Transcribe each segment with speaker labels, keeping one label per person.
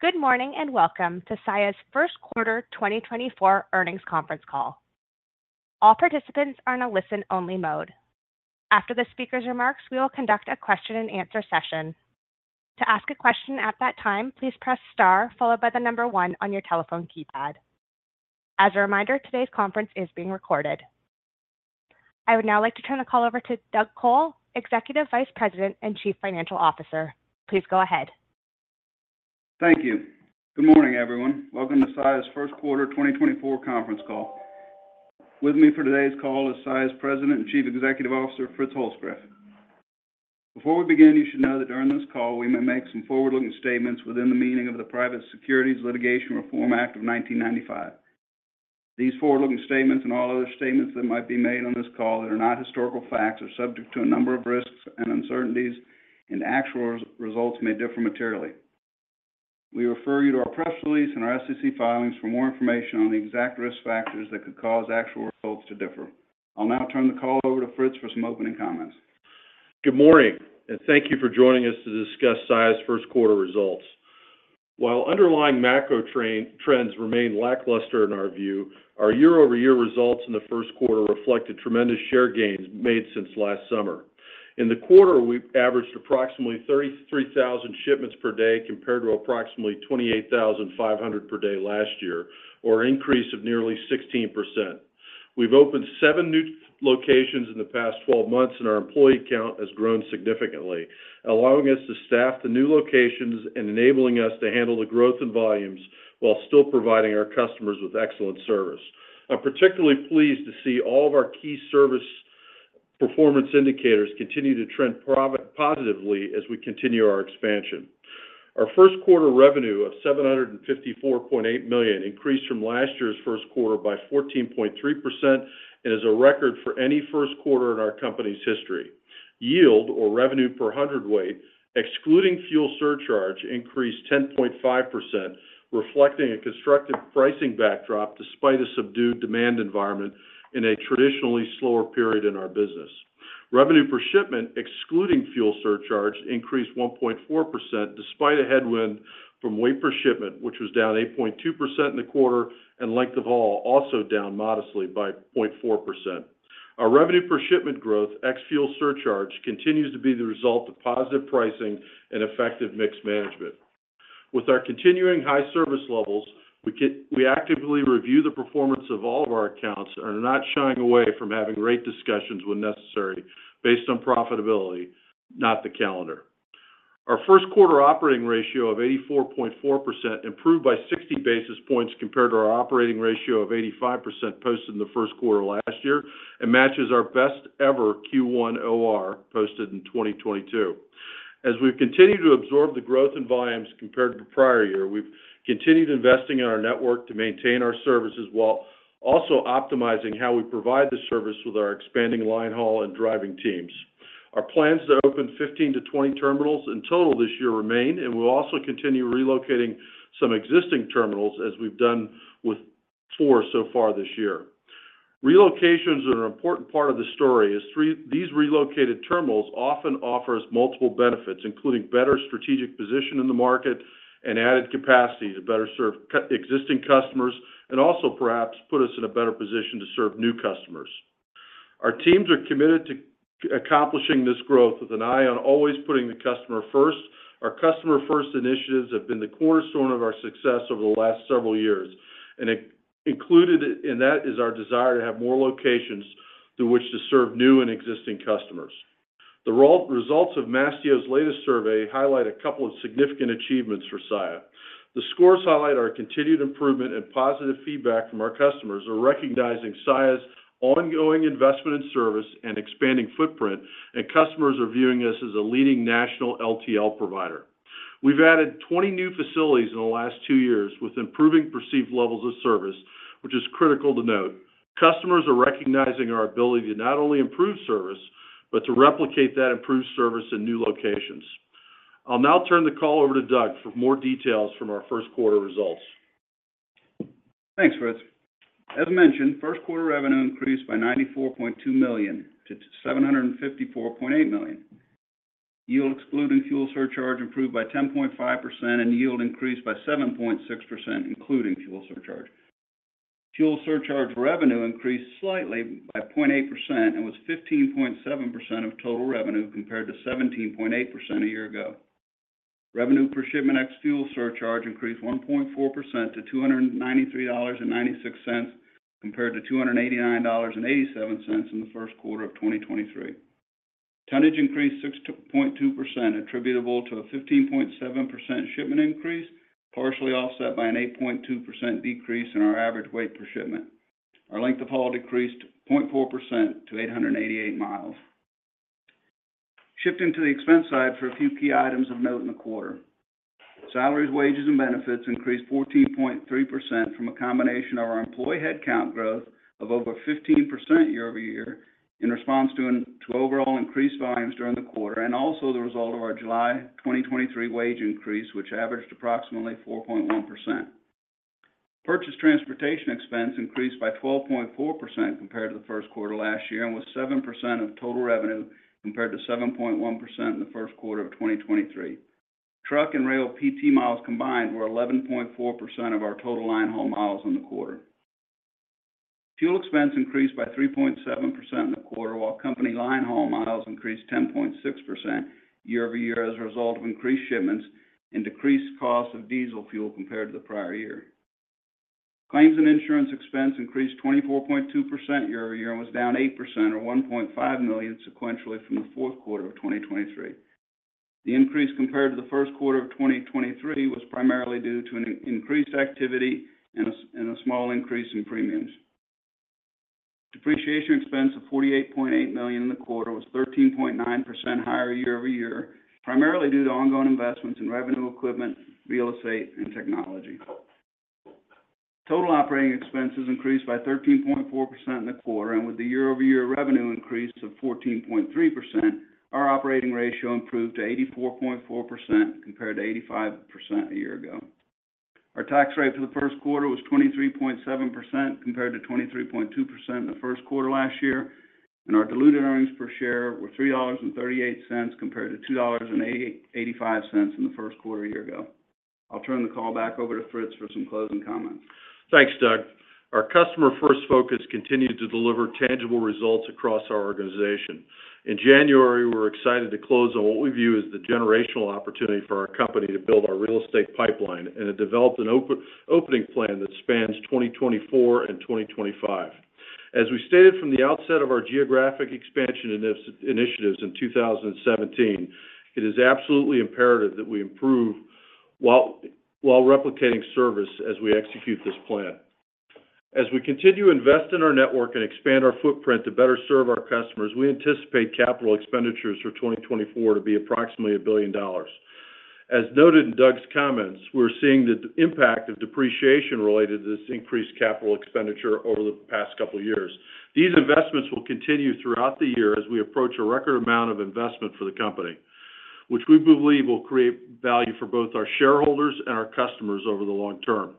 Speaker 1: Good morning, and welcome to Saia's First Quarter 2024 Earnings Conference Call. All participants are in a listen-only mode. After the speaker's remarks, we will conduct a question-and-answer session. To ask a question at that time, please press Star followed by the number one on your telephone keypad. As a reminder, today's conference is being recorded. I would now like to turn the call over to Doug Col, Executive Vice President and Chief Financial Officer. Please go ahead.
Speaker 2: Thank you. Good morning, everyone. Welcome to Saia's First Quarter 2024 conference call. With me for today's call is Saia's President and Chief Executive Officer, Fritz Holzgrefe. Before we begin, you should know that during this call, we may make some forward-looking statements within the meaning of the Private Securities Litigation Reform Act of 1995. These forward-looking statements and all other statements that might be made on this call that are not historical facts are subject to a number of risks and uncertainties, and actual results may differ materially. We refer you to our press release and our SEC filings for more information on the exact risk factors that could cause actual results to differ. I'll now turn the call over to Fritz for some opening comments.
Speaker 3: Good morning, and thank you for joining us to discuss Saia's first quarter results. While underlying macro trends remain lackluster in our view, our year-over-year results in the first quarter reflected tremendous share gains made since last summer. In the quarter, we've averaged approximately 33,000 shipments per day, compared to approximately 28,500 per day last year, or an increase of nearly 16%. We've opened seven new locations in the past 12 months, and our employee count has grown significantly, allowing us to staff the new locations and enabling us to handle the growth in volumes while still providing our customers with excellent service. I'm particularly pleased to see all of our key service performance indicators continue to trend profit-positively as we continue our expansion. Our first quarter revenue of $754.8 million increased from last year's first quarter by 14.3% and is a record for any first quarter in our company's history. Yield or revenue per hundredweight, excluding fuel surcharge, increased 10.5%, reflecting a constructive pricing backdrop despite a subdued demand environment in a traditionally slower period in our business. Revenue per shipment, excluding fuel surcharge, increased 1.4%, despite a headwind from weight per shipment, which was down 8.2% in the quarter, and length of haul, also down modestly by 0.4%. Our revenue per shipment growth, ex-fuel surcharge, continues to be the result of positive pricing and effective mix management. With our continuing high service levels, we actively review the performance of all of our accounts and are not shying away from having great discussions when necessary, based on profitability, not the calendar. Our first quarter operating ratio of 84.4% improved by 60 basis points compared to our operating ratio of 85% posted in the first quarter last year and matches our best-ever Q1 OR posted in 2022. As we've continued to absorb the growth in volumes compared to the prior year, we've continued investing in our network to maintain our services while also optimizing how we provide the service with our expanding line haul and driving teams. Our plans to open 15-20 terminals in total this year remain, and we'll also continue relocating some existing terminals as we've done with four so far this year. Relocations are an important part of the story. These relocated terminals often offer us multiple benefits, including better strategic position in the market and added capacity to better serve existing customers, and also perhaps put us in a better position to serve new customers. Our teams are committed to accomplishing this growth with an eye on always putting the customer first. Our customer-first initiatives have been the cornerstone of our success over the last several years, and included in that is our desire to have more locations through which to serve new and existing customers. The results of Mastio's latest survey highlight a couple of significant achievements for Saia. The scores highlight our continued improvement and positive feedback from our customers, recognizing Saia's ongoing investment in service and expanding footprint, and customers are viewing us as a leading national LTL provider. We've added 20 new facilities in the last two years with improving perceived levels of service, which is critical to note. Customers are recognizing our ability to not only improve service, but to replicate that improved service in new locations. I'll now turn the call over to Doug for more details from our first quarter results.
Speaker 2: Thanks, Fritz. As mentioned, first quarter revenue increased by $94.2 million to $754.8 million. Yield, excluding fuel surcharge, improved by 10.5%, and yield increased by 7.6%, including fuel surcharge. Fuel surcharge revenue increased slightly by 0.8% and was 15.7% of total revenue, compared to 17.8% a year ago. Revenue per shipment, ex-fuel surcharge, increased 1.4% to $293.96, compared to $289.87 in the first quarter of 2023. Tonnage increased 6.2%, attributable to a 15.7% shipment increase, partially offset by an 8.2% decrease in our average weight per shipment. Our length of haul decreased 0.4% to 888 mi. Shifting to the expense side for a few key items of note in the quarter. Salaries, wages, and benefits increased 14.3% from a combination of our employee headcount growth of over 15% year-over-year in response to to overall increased volumes during the quarter and also the result of our July 2023 wage increase, which averaged approximately 4.1%. Purchased transportation expense increased by 12.4% compared to the first quarter last year, and was 7% of total revenue, compared to 7.1% in the first quarter of 2023. Truck and rail PT miles combined were 11.4% of our total line haul miles in the quarter. Fuel expense increased by 3.7% in the quarter, while company line haul miles increased 10.6% year-over-year as a result of increased shipments and decreased costs of diesel fuel compared to the prior year. Claims and insurance expense increased 24.2% year-over-year, and was down 8% or $1.5 million sequentially from the fourth quarter of 2023. The increase compared to the first quarter of 2023 was primarily due to an increased activity and a small increase in premiums. Depreciation expense of $48.8 million in the quarter was 13.9% higher year-over-year, primarily due to ongoing investments in revenue, equipment, real estate, and technology. Total operating expenses increased by 13.4% in the quarter, and with the year-over-year revenue increase of 14.3%, our operating ratio improved to 84.4%, compared to 85% a year ago. Our tax rate for the first quarter was 23.7%, compared to 23.2% in the first quarter last year, and our diluted earnings per share were $3.38, compared to $2.85 in the first quarter a year ago. I'll turn the call back over to Fritz for some closing comments.
Speaker 3: Thanks, Doug. Our customer-first focus continued to deliver tangible results across our organization. In January, we were excited to close on what we view as the generational opportunity for our company to build our real estate pipeline, and it developed an opening plan that spans 2024 and 2025. As we stated from the outset of our geographic expansion initiatives in 2017, it is absolutely imperative that we improve while replicating service as we execute this plan. As we continue to invest in our network and expand our footprint to better serve our customers, we anticipate capital expenditures for 2024 to be approximately $1 billion. As noted in Doug's comments, we're seeing the impact of depreciation related to this increased capital expenditure over the past couple of years. These investments will continue throughout the year as we approach a record amount of investment for the company, which we believe will create value for both our shareholders and our customers over the long term.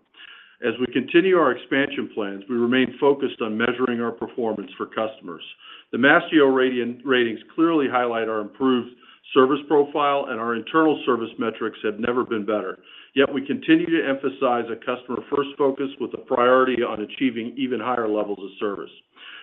Speaker 3: As we continue our expansion plans, we remain focused on measuring our performance for customers. The Mastio ratings clearly highlight our improved service profile, and our internal service metrics have never been better. Yet, we continue to emphasize a customer-first focus with a priority on achieving even higher levels of service.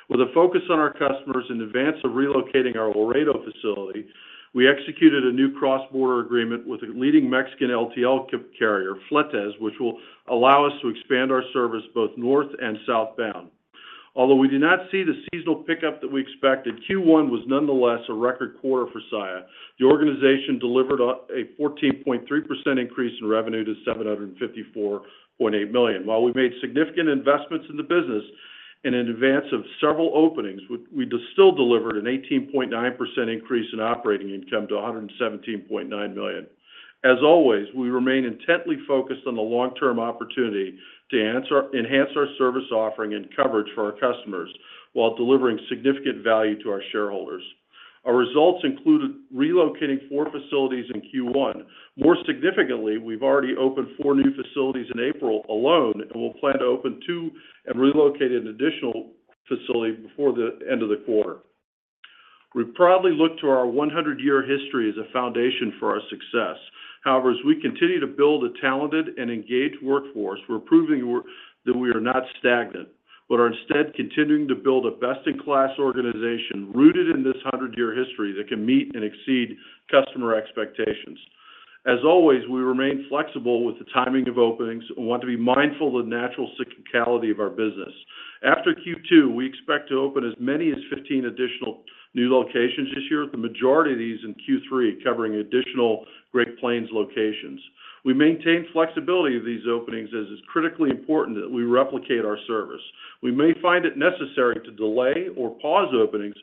Speaker 3: With a focus on our customers in advance of relocating our Laredo facility, we executed a new cross-border agreement with a leading Mexican LTL carrier, Fletes, which will allow us to expand our service both north and southbound. Although we did not see the seasonal pickup that we expected, Q1 was nonetheless a record quarter for Saia. The organization delivered a 14.3% increase in revenue to $754.8 million. While we made significant investments in the business and in advance of several openings, we still delivered an 18.9% increase in operating income to $117.9 million. As always, we remain intently focused on the long-term opportunity to enhance our service offering and coverage for our customers, while delivering significant value to our shareholders. Our results included relocating four facilities in Q1. More significantly, we've already opened four new facilities in April alone, and we'll plan to open two and relocate an additional facility before the end of the quarter. We proudly look to our 100-year history as a foundation for our success. However, as we continue to build a talented and engaged workforce, we're proving that we are not stagnant, but are instead continuing to build a best-in-class organization rooted in this 100-year history that can meet and exceed customer expectations. As always, we remain flexible with the timing of openings and want to be mindful of the natural cyclicality of our business. After Q2, we expect to open as many as 15 additional new locations this year, the majority of these in Q3, covering additional Great Plains locations. We maintain flexibility of these openings, as it's critically important that we replicate our service. We may find it necessary to delay or pause openings,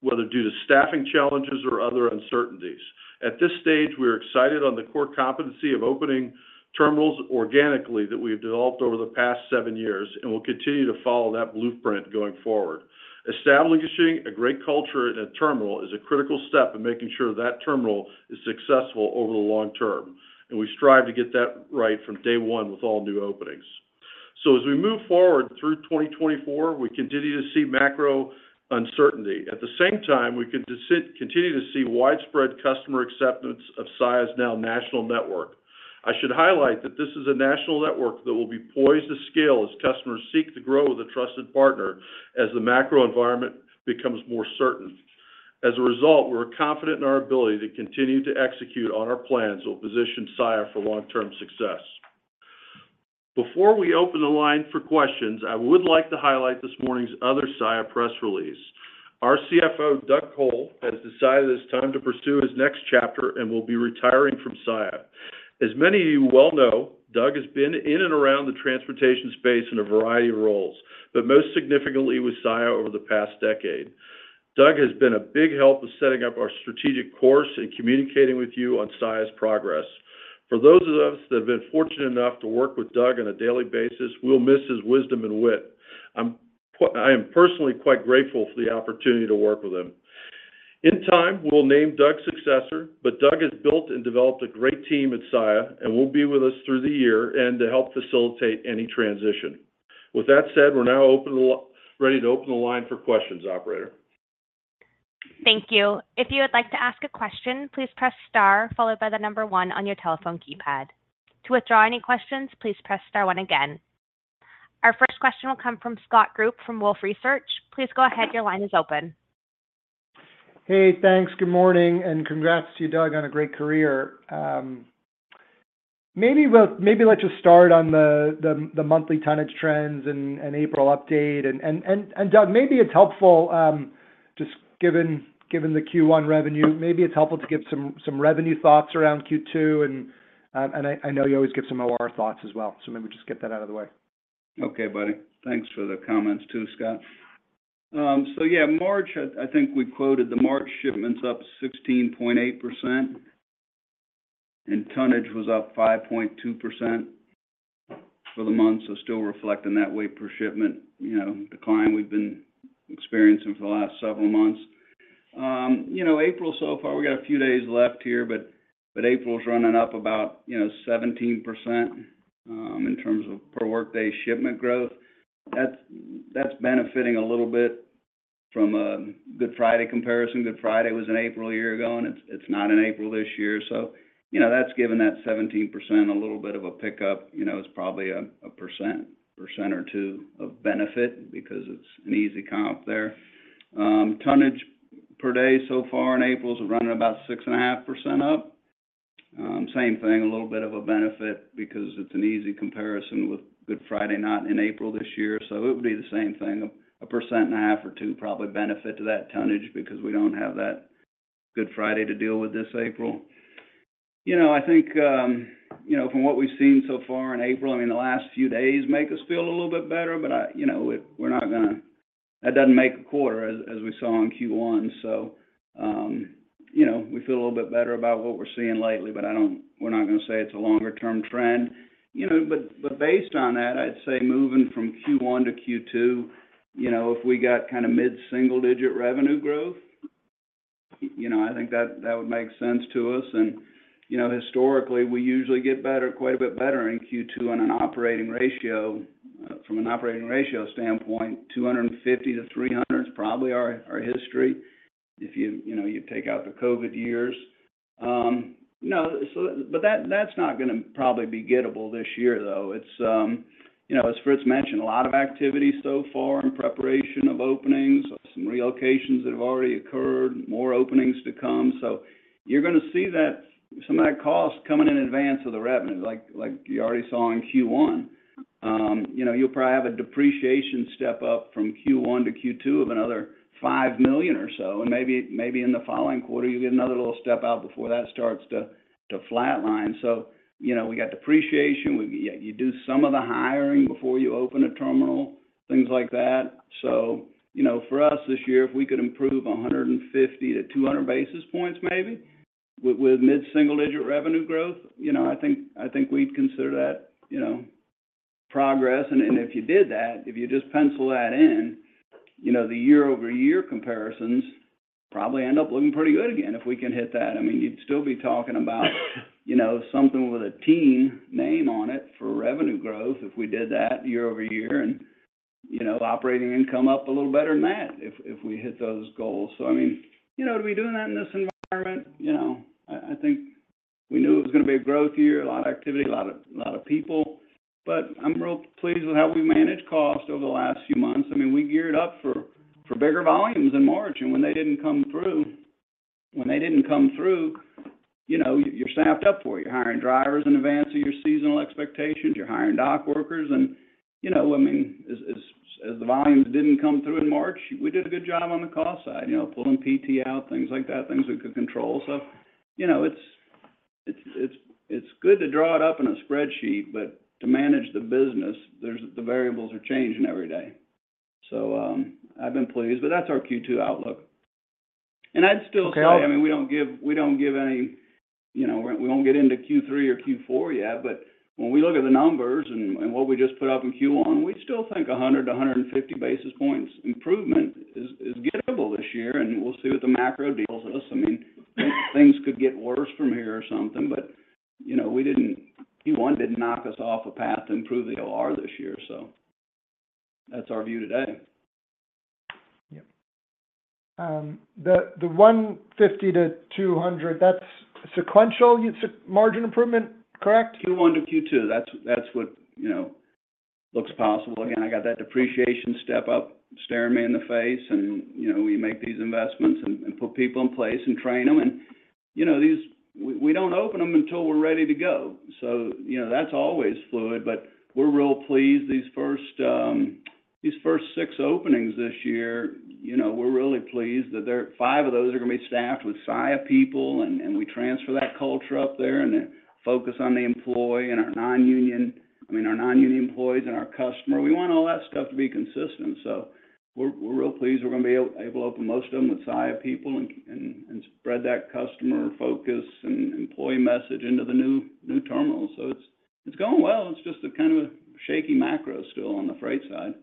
Speaker 3: whether due to staffing challenges or other uncertainties. At this stage, we're excited on the core competency of opening terminals organically that we have developed over the past seven years, and we'll continue to follow that blueprint going forward. Establishing a great culture in a terminal is a critical step in making sure that terminal is successful over the long term, and we strive to get that right from day one with all new openings. So as we move forward through 2024, we continue to see macro uncertainty. At the same time, we can continue to see widespread customer acceptance of Saia's now national network. I should highlight that this is a national network that will be poised to scale as customers seek to grow with a trusted partner as the macro environment becomes more certain. As a result, we're confident in our ability to continue to execute on our plans that will position Saia for long-term success. Before we open the line for questions, I would like to highlight this morning's other Saia press release. Our CFO, Doug Col, has decided it's time to pursue his next chapter and will be retiring from Saia. As many of you well know, Doug has been in and around the transportation space in a variety of roles, but most significantly with Saia over the past decade. Doug has been a big help with setting up our strategic course and communicating with you on Saia's progress. For those of us that have been fortunate enough to work with Doug on a daily basis, we'll miss his wisdom and wit. I am personally quite grateful for the opportunity to work with him. In time, we'll name Doug's successor, but Doug has built and developed a great team at Saia, and will be with us through the year and to help facilitate any transition. With that said, we're now ready to open the line for questions, Operator.
Speaker 1: Thank you. If you would like to ask a question, please press star followed by the number one on your telephone keypad. To withdraw any questions, please press star one again. Our first question will come from Scott Group, from Wolfe Research. Please go ahead. Your line is open.
Speaker 4: Hey, thanks. Good morning, and congrats to you, Doug, on a great career. Maybe let's just start on the monthly tonnage trends and Doug, maybe it's helpful, just given the Q1 revenue, maybe it's helpful to give some revenue thoughts around Q2, and I know you always give some OR thoughts as well, so maybe just get that out of the way.
Speaker 2: Okay, buddy. Thanks for the comments too, Scott. So yeah, March, I think we quoted the March shipments up 16.8%, and tonnage was up 5.2% for the month. So still reflecting that weight per shipment, you know, decline we've been experiencing for the last several months. You know, April so far, we got a few days left here, but April is running up about, you know, 17% in terms of per workday shipment growth. That's benefiting a little bit from a Good Friday comparison. Good Friday was in April a year ago, and it's not in April this year, so you know, that's given that 17% a little bit of a pickup. You know, it's probably 1% or 2% of benefit because it's an easy comp there. Tonnage per day so far in April is running about 6.5% up. Same thing, a little bit of a benefit because it's an easy comparison with Good Friday not in April this year. So it would be the same thing, 1.5% or 2%, probably benefit to that tonnage because we don't have that Good Friday to deal with this April. You know, I think, you know, from what we've seen so far in April, I mean, the last few days make us feel a little bit better, but I... You know, we're not gonna - that doesn't make a quarter, as we saw in Q1. So, you know, we feel a little bit better about what we're seeing lately, but I don't - we're not gonna say it's a longer-term trend. You know, but based on that, I'd say moving from Q1 to Q2, you know, if we got kinda mid-single-digit revenue growth, you know, I think that would make sense to us. You know, historically, we usually get better, quite a bit better in Q2 on an operating ratio. From an operating ratio standpoint, 250-300 basis points is probably our history, if you know, you take out the COVID years. No, but that's not gonna probably be gettable this year, though. It's you know, as Fritz mentioned, a lot of activity so far in preparation of openings, some relocations that have already occurred, more openings to come. So you're gonna see that, some of that cost coming in advance of the revenue, like you already saw in Q1. You know, you'll probably have a depreciation step up from Q1 to Q2 of another $5 million or so, and maybe, maybe in the following quarter, you get another little step out before that starts to, to flatline. So, you know, we got depreciation, we—you do some of the hiring before you open a terminal, things like that. So you know, for us, this year, if we could improve 150-200 basis points, maybe, with, with mid-single-digit revenue growth, you know, I think, I think we'd consider that, you know, progress. And, and if you did that, if you just pencil that in, you know, the year-over-year comparisons probably end up looking pretty good again, if we can hit that. I mean, you'd still be talking about—you know, something with a teen name on it for revenue growth if we did that year-over-year, and, you know, operating income up a little better than that, if, if we hit those goals. So I mean, you know, to be doing that in this environment, you know, I, I think we knew it was gonna be a growth year, a lot of activity, a lot of, lot of people, but I'm real pleased with how we managed costs over the last few months. I mean, we geared up for, for bigger volumes in March, and when they didn't come through, when they didn't come through, you know, you're staffed up for it. You're hiring drivers in advance of your seasonal expectations, you're hiring dock workers, and, you know, I mean, as the volumes didn't come through in March, we did a good job on the cost side, you know, pulling PT out, things like that, things we could control. So, you know, it's good to draw it up in a spreadsheet, but to manage the business, there's the variables are changing every day. So, I've been pleased. But that's our Q2 outlook. And I'd still say-
Speaker 4: Okay...
Speaker 2: I mean, we don't give, we don't give any, you know, we won't get into Q3 or Q4 yet, but when we look at the numbers and what we just put up in Q1, we still think 100-150 basis points improvement is gettable this year, and we'll see what the macro deals us. I mean, things could get worse from here or something, but, you know, we didn't... Q1 didn't knock us off a path to improve the OR this year, so that's our view today.
Speaker 3: Yep.
Speaker 4: The 150-200 basis points, that's sequential margin improvement, correct?
Speaker 2: Q1 to Q2. That's, that's what, you know, looks possible. Again, I got that depreciation step up staring me in the face and, you know, we make these investments and, and put people in place and train them. And, you know, these-- we, we don't open them until we're ready to go. So, you know, that's always fluid, but we're real pleased, these first, these first six openings this year, you know, we're really pleased that there-- five of those are going to be staffed with Saia people, and, and we transfer that culture up there and then focus on the employee and our non-union, I mean, our non-union employees and our customer. We want all that stuff to be consistent, so we're, we're real pleased. We're going to be able to open most of them with Saia people and spread that customer focus and employee message into the new terminals. So it's going well. It's just a kind of a shaky macro still on the freight side.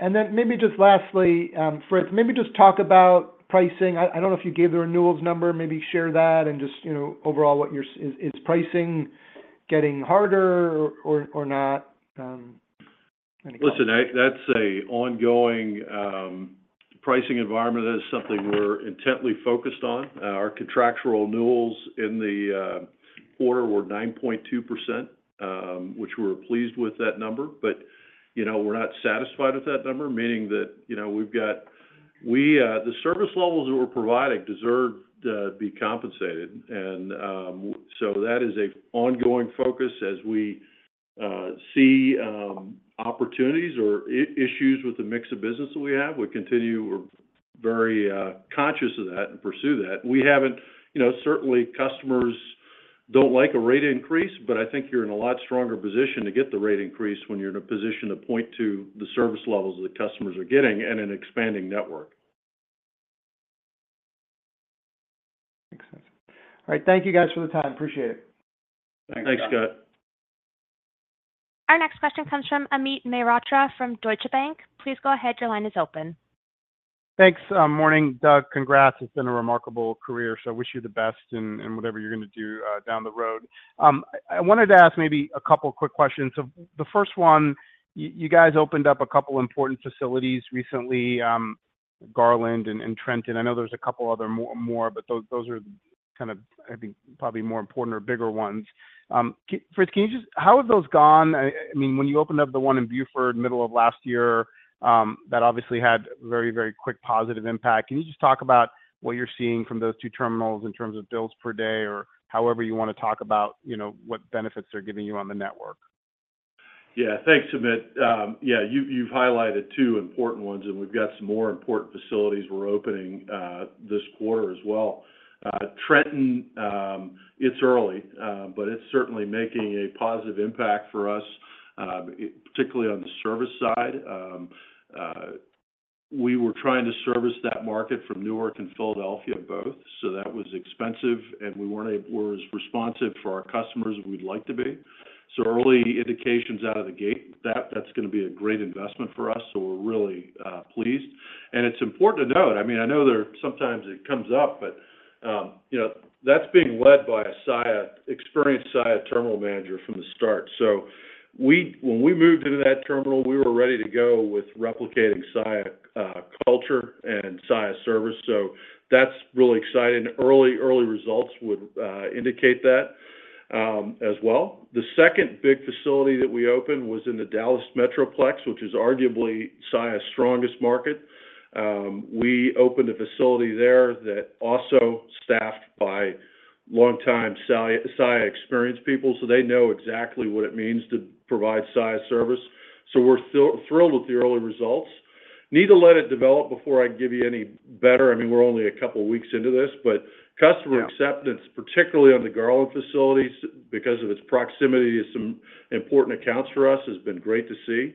Speaker 4: And then maybe just lastly, Fritz, maybe just talk about pricing. I don't know if you gave the renewals number, maybe share that and just, you know, overall, what your is, is pricing getting harder or not?
Speaker 3: Listen, that's a ongoing pricing environment. That is something we're intently focused on. Our contractual renewals in the quarter were 9.2%, which we're pleased with that number. But, you know, we're not satisfied with that number, meaning that, you know, we've got the service levels that we're providing deserve to be compensated. And so that is a ongoing focus as we see opportunities or issues with the mix of business that we have. We continue, we're very conscious of that and pursue that. We haven't you know, certainly customers don't like a rate increase, but I think you're in a lot stronger position to get the rate increase when you're in a position to point to the service levels that the customers are getting and an expanding network.
Speaker 4: Makes sense. All right. Thank you guys for the time. Appreciate it.
Speaker 3: Thanks, Scott.
Speaker 1: Our next question comes from Amit Mehrotra from Deutsche Bank. Please go ahead, your line is open.
Speaker 5: Thanks. Morning, Doug. Congrats, it's been a remarkable career, so I wish you the best in whatever you're gonna do down the road. I wanted to ask maybe a couple of quick questions. So the first one, you guys opened up a couple important facilities recently, Garland and Trenton. I know there's a couple other more, but those, those are kind of, I think, probably more important or bigger ones. Fritz, how have those gone? I mean, when you opened up the one in Buford, middle of last year, that obviously had very, very quick positive impact. Can you just talk about what you're seeing from those two terminals in terms of bills per day or however you want to talk about, you know, what benefits they're giving you on the network?
Speaker 3: Yeah. Thanks, Amit. Yeah, you've highlighted two important ones, and we've got some more important facilities we're opening this quarter as well. Trenton, it's early, but it's certainly making a positive impact for us, particularly on the service side. We were trying to service that market from Newark and Philadelphia both, so that was expensive, and we weren't able—were as responsive for our customers as we'd like to be. So early indications out of the gate, that's gonna be a great investment for us, so we're really pleased. And it's important to note, I mean, I know there are sometimes it comes up, but you know, that's being led by a Saia experienced Saia terminal manager from the start. So we-- when we moved into that terminal, we were ready to go with replicating Saia culture and Saia service. So that's really exciting. Early, early results would indicate that, as well. The second big facility that we opened was in the Dallas Metroplex, which is arguably Saia's strongest market. We opened a facility there that also staffed by longtime Saia experienced people, so they know exactly what it means to provide Saia service. So we're thrilled with the early results. Need to let it develop before I can give you any better. I mean, we're only a couple of weeks into this, but customer-
Speaker 5: Yeah...
Speaker 3: acceptance, particularly on the Garland facilities, because of its proximity to some important accounts for us, has been great to see.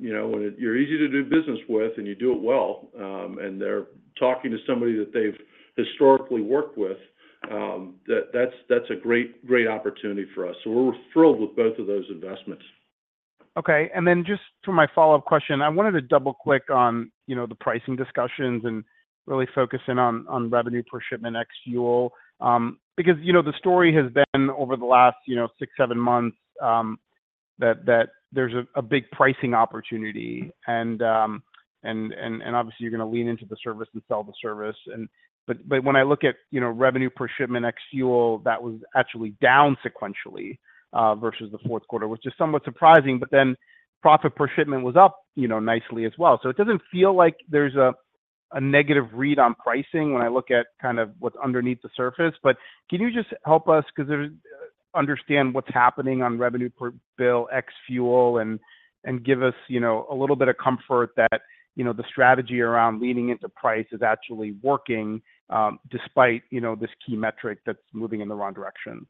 Speaker 3: You know, when you're easy to do business with and you do it well, and they're talking to somebody that they've historically worked with, that's a great, great opportunity for us. So we're thrilled with both of those investments.
Speaker 5: Okay. And then just for my follow-up question, I wanted to double-click on, you know, the pricing discussions and really focus in on, on revenue per shipment ex-fuel. Because, you know, the story has been over the last, you know, six to seven months, that there's a big pricing opportunity, and obviously, you're going to lean into the service and sell the service. But when I look at, you know, revenue per shipment ex-fuel, that was actually down sequentially versus the fourth quarter, which is somewhat surprising, but then profit per shipment was up, you know, nicely as well. So it doesn't feel like there's a negative read on pricing when I look at kind of what's underneath the surface. But can you just help us, 'cause there's... Understand what's happening on revenue per bill ex-fuel, and give us, you know, a little bit of comfort that, you know, the strategy around leaning into price is actually working, despite, you know, this key metric that's moving in the wrong direction?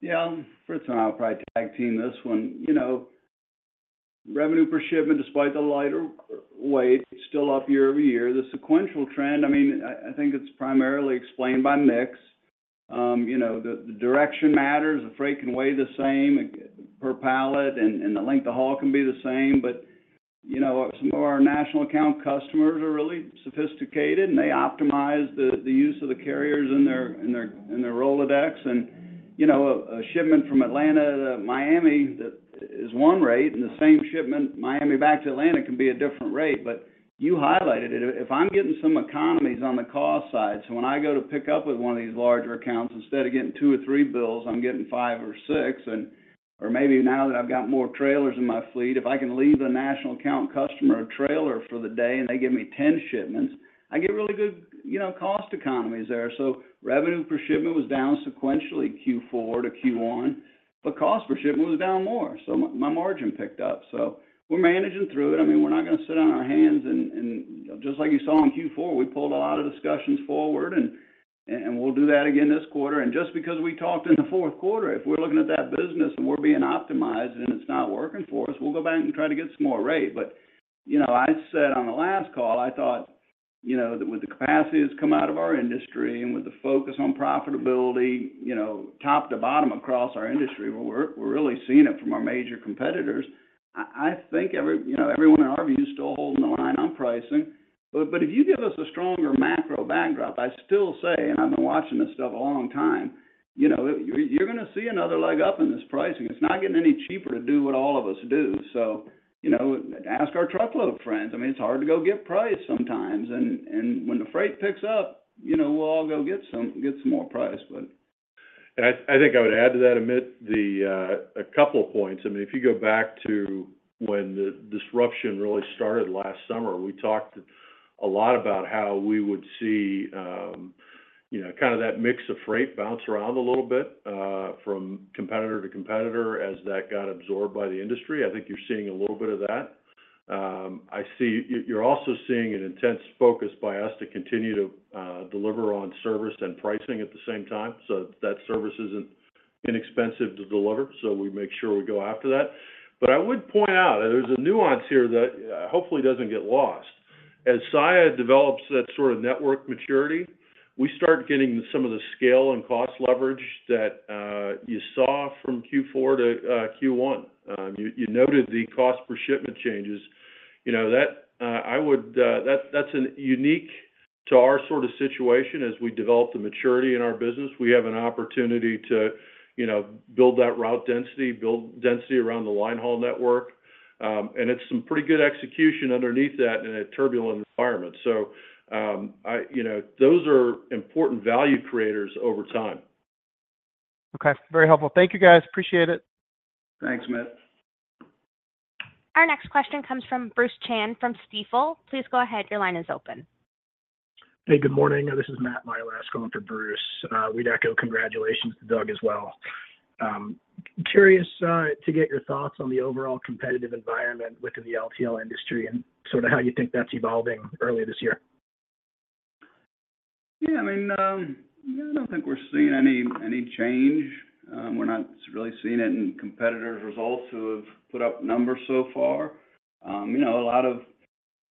Speaker 2: Yeah. Fritz and I will probably tag team this one. You know, revenue per shipment, despite the lighter weight, is still up year-over-year. The sequential trend, I mean, I think it's primarily explained by mix. You know, the direction matters. The freight can weigh the same per pallet, and the length of haul can be the same, but, you know, some of our national account customers are really sophisticated, and they optimize the use of the carriers in their Rolodex. And, you know, a shipment from Atlanta to Miami is one rate, and the same shipment, Miami back to Atlanta, can be a different rate. But you highlighted it. If I'm getting some economies on the cost side, so when I go to pick up with one of these larger accounts, instead of getting two or three bills, I'm getting five or six, and or maybe now that I've got more trailers in my fleet, if I can leave a national account customer a trailer for the day and they give me 10 shipments, I get really good, you know, cost economies there. So revenue per shipment was down sequentially Q4 to Q1, but cost per shipment was down more, so my, my margin picked up. So we're managing through it. I mean, we're not going to sit on our hands, and, and just like you saw in Q4, we pulled a lot of discussions forward, and, and we'll do that again this quarter. Just because we talked in the fourth quarter, if we're looking at that business and we're being optimized and it's not working for us, we'll go back and try to get some more rate. But, you know, I said on the last call, I thought-... you know, with the capacity that's come out of our industry and with the focus on profitability, you know, top to bottom across our industry, we're, we're really seeing it from our major competitors. I, I think every, you know, everyone in our view is still holding the line on pricing. But, but if you give us a stronger macro backdrop, I still say, and I've been watching this stuff a long time, you know, you're, you're gonna see another leg up in this pricing. It's not getting any cheaper to do what all of us do. So, you know, ask our truckload friends. I mean, it's hard to go get price sometimes, and, and when the freight picks up, you know, we'll all go get some more price, but.
Speaker 3: I think I would add to that, Amit, a couple of points. I mean, if you go back to when the disruption really started last summer, we talked a lot about how we would see, you know, kind of that mix of freight bounce around a little bit from competitor to competitor as that got absorbed by the industry. I think you're seeing a little bit of that. You're also seeing an intense focus by us to continue to deliver on service and pricing at the same time. So that service isn't inexpensive to deliver, so we make sure we go after that. But I would point out, there's a nuance here that hopefully doesn't get lost. As Saia develops that sort of network maturity, we start getting some of the scale and cost leverage that you saw from Q4 to Q1. You noted the cost per shipment changes. You know, that I would... that's unique to our sort of situation as we develop the maturity in our business. We have an opportunity to, you know, build that route density, build density around the line haul network. And it's some pretty good execution underneath that in a turbulent environment. So, I you know, those are important value creators over time.
Speaker 5: Okay, very helpful. Thank you, guys. Appreciate it.
Speaker 2: Thanks, Amit.
Speaker 1: Our next question comes from Bruce Chan from Stifel. Please go ahead, your line is open.
Speaker 6: Hey, good morning. This is Matt Milask calling for Bruce. We'd echo congratulations to Doug as well. Curious to get your thoughts on the overall competitive environment within the LTL industry and sort of how you think that's evolving earlier this year?
Speaker 2: Yeah, I mean, I don't think we're seeing any change. We're not really seeing it in competitors' results who have put up numbers so far. You know, a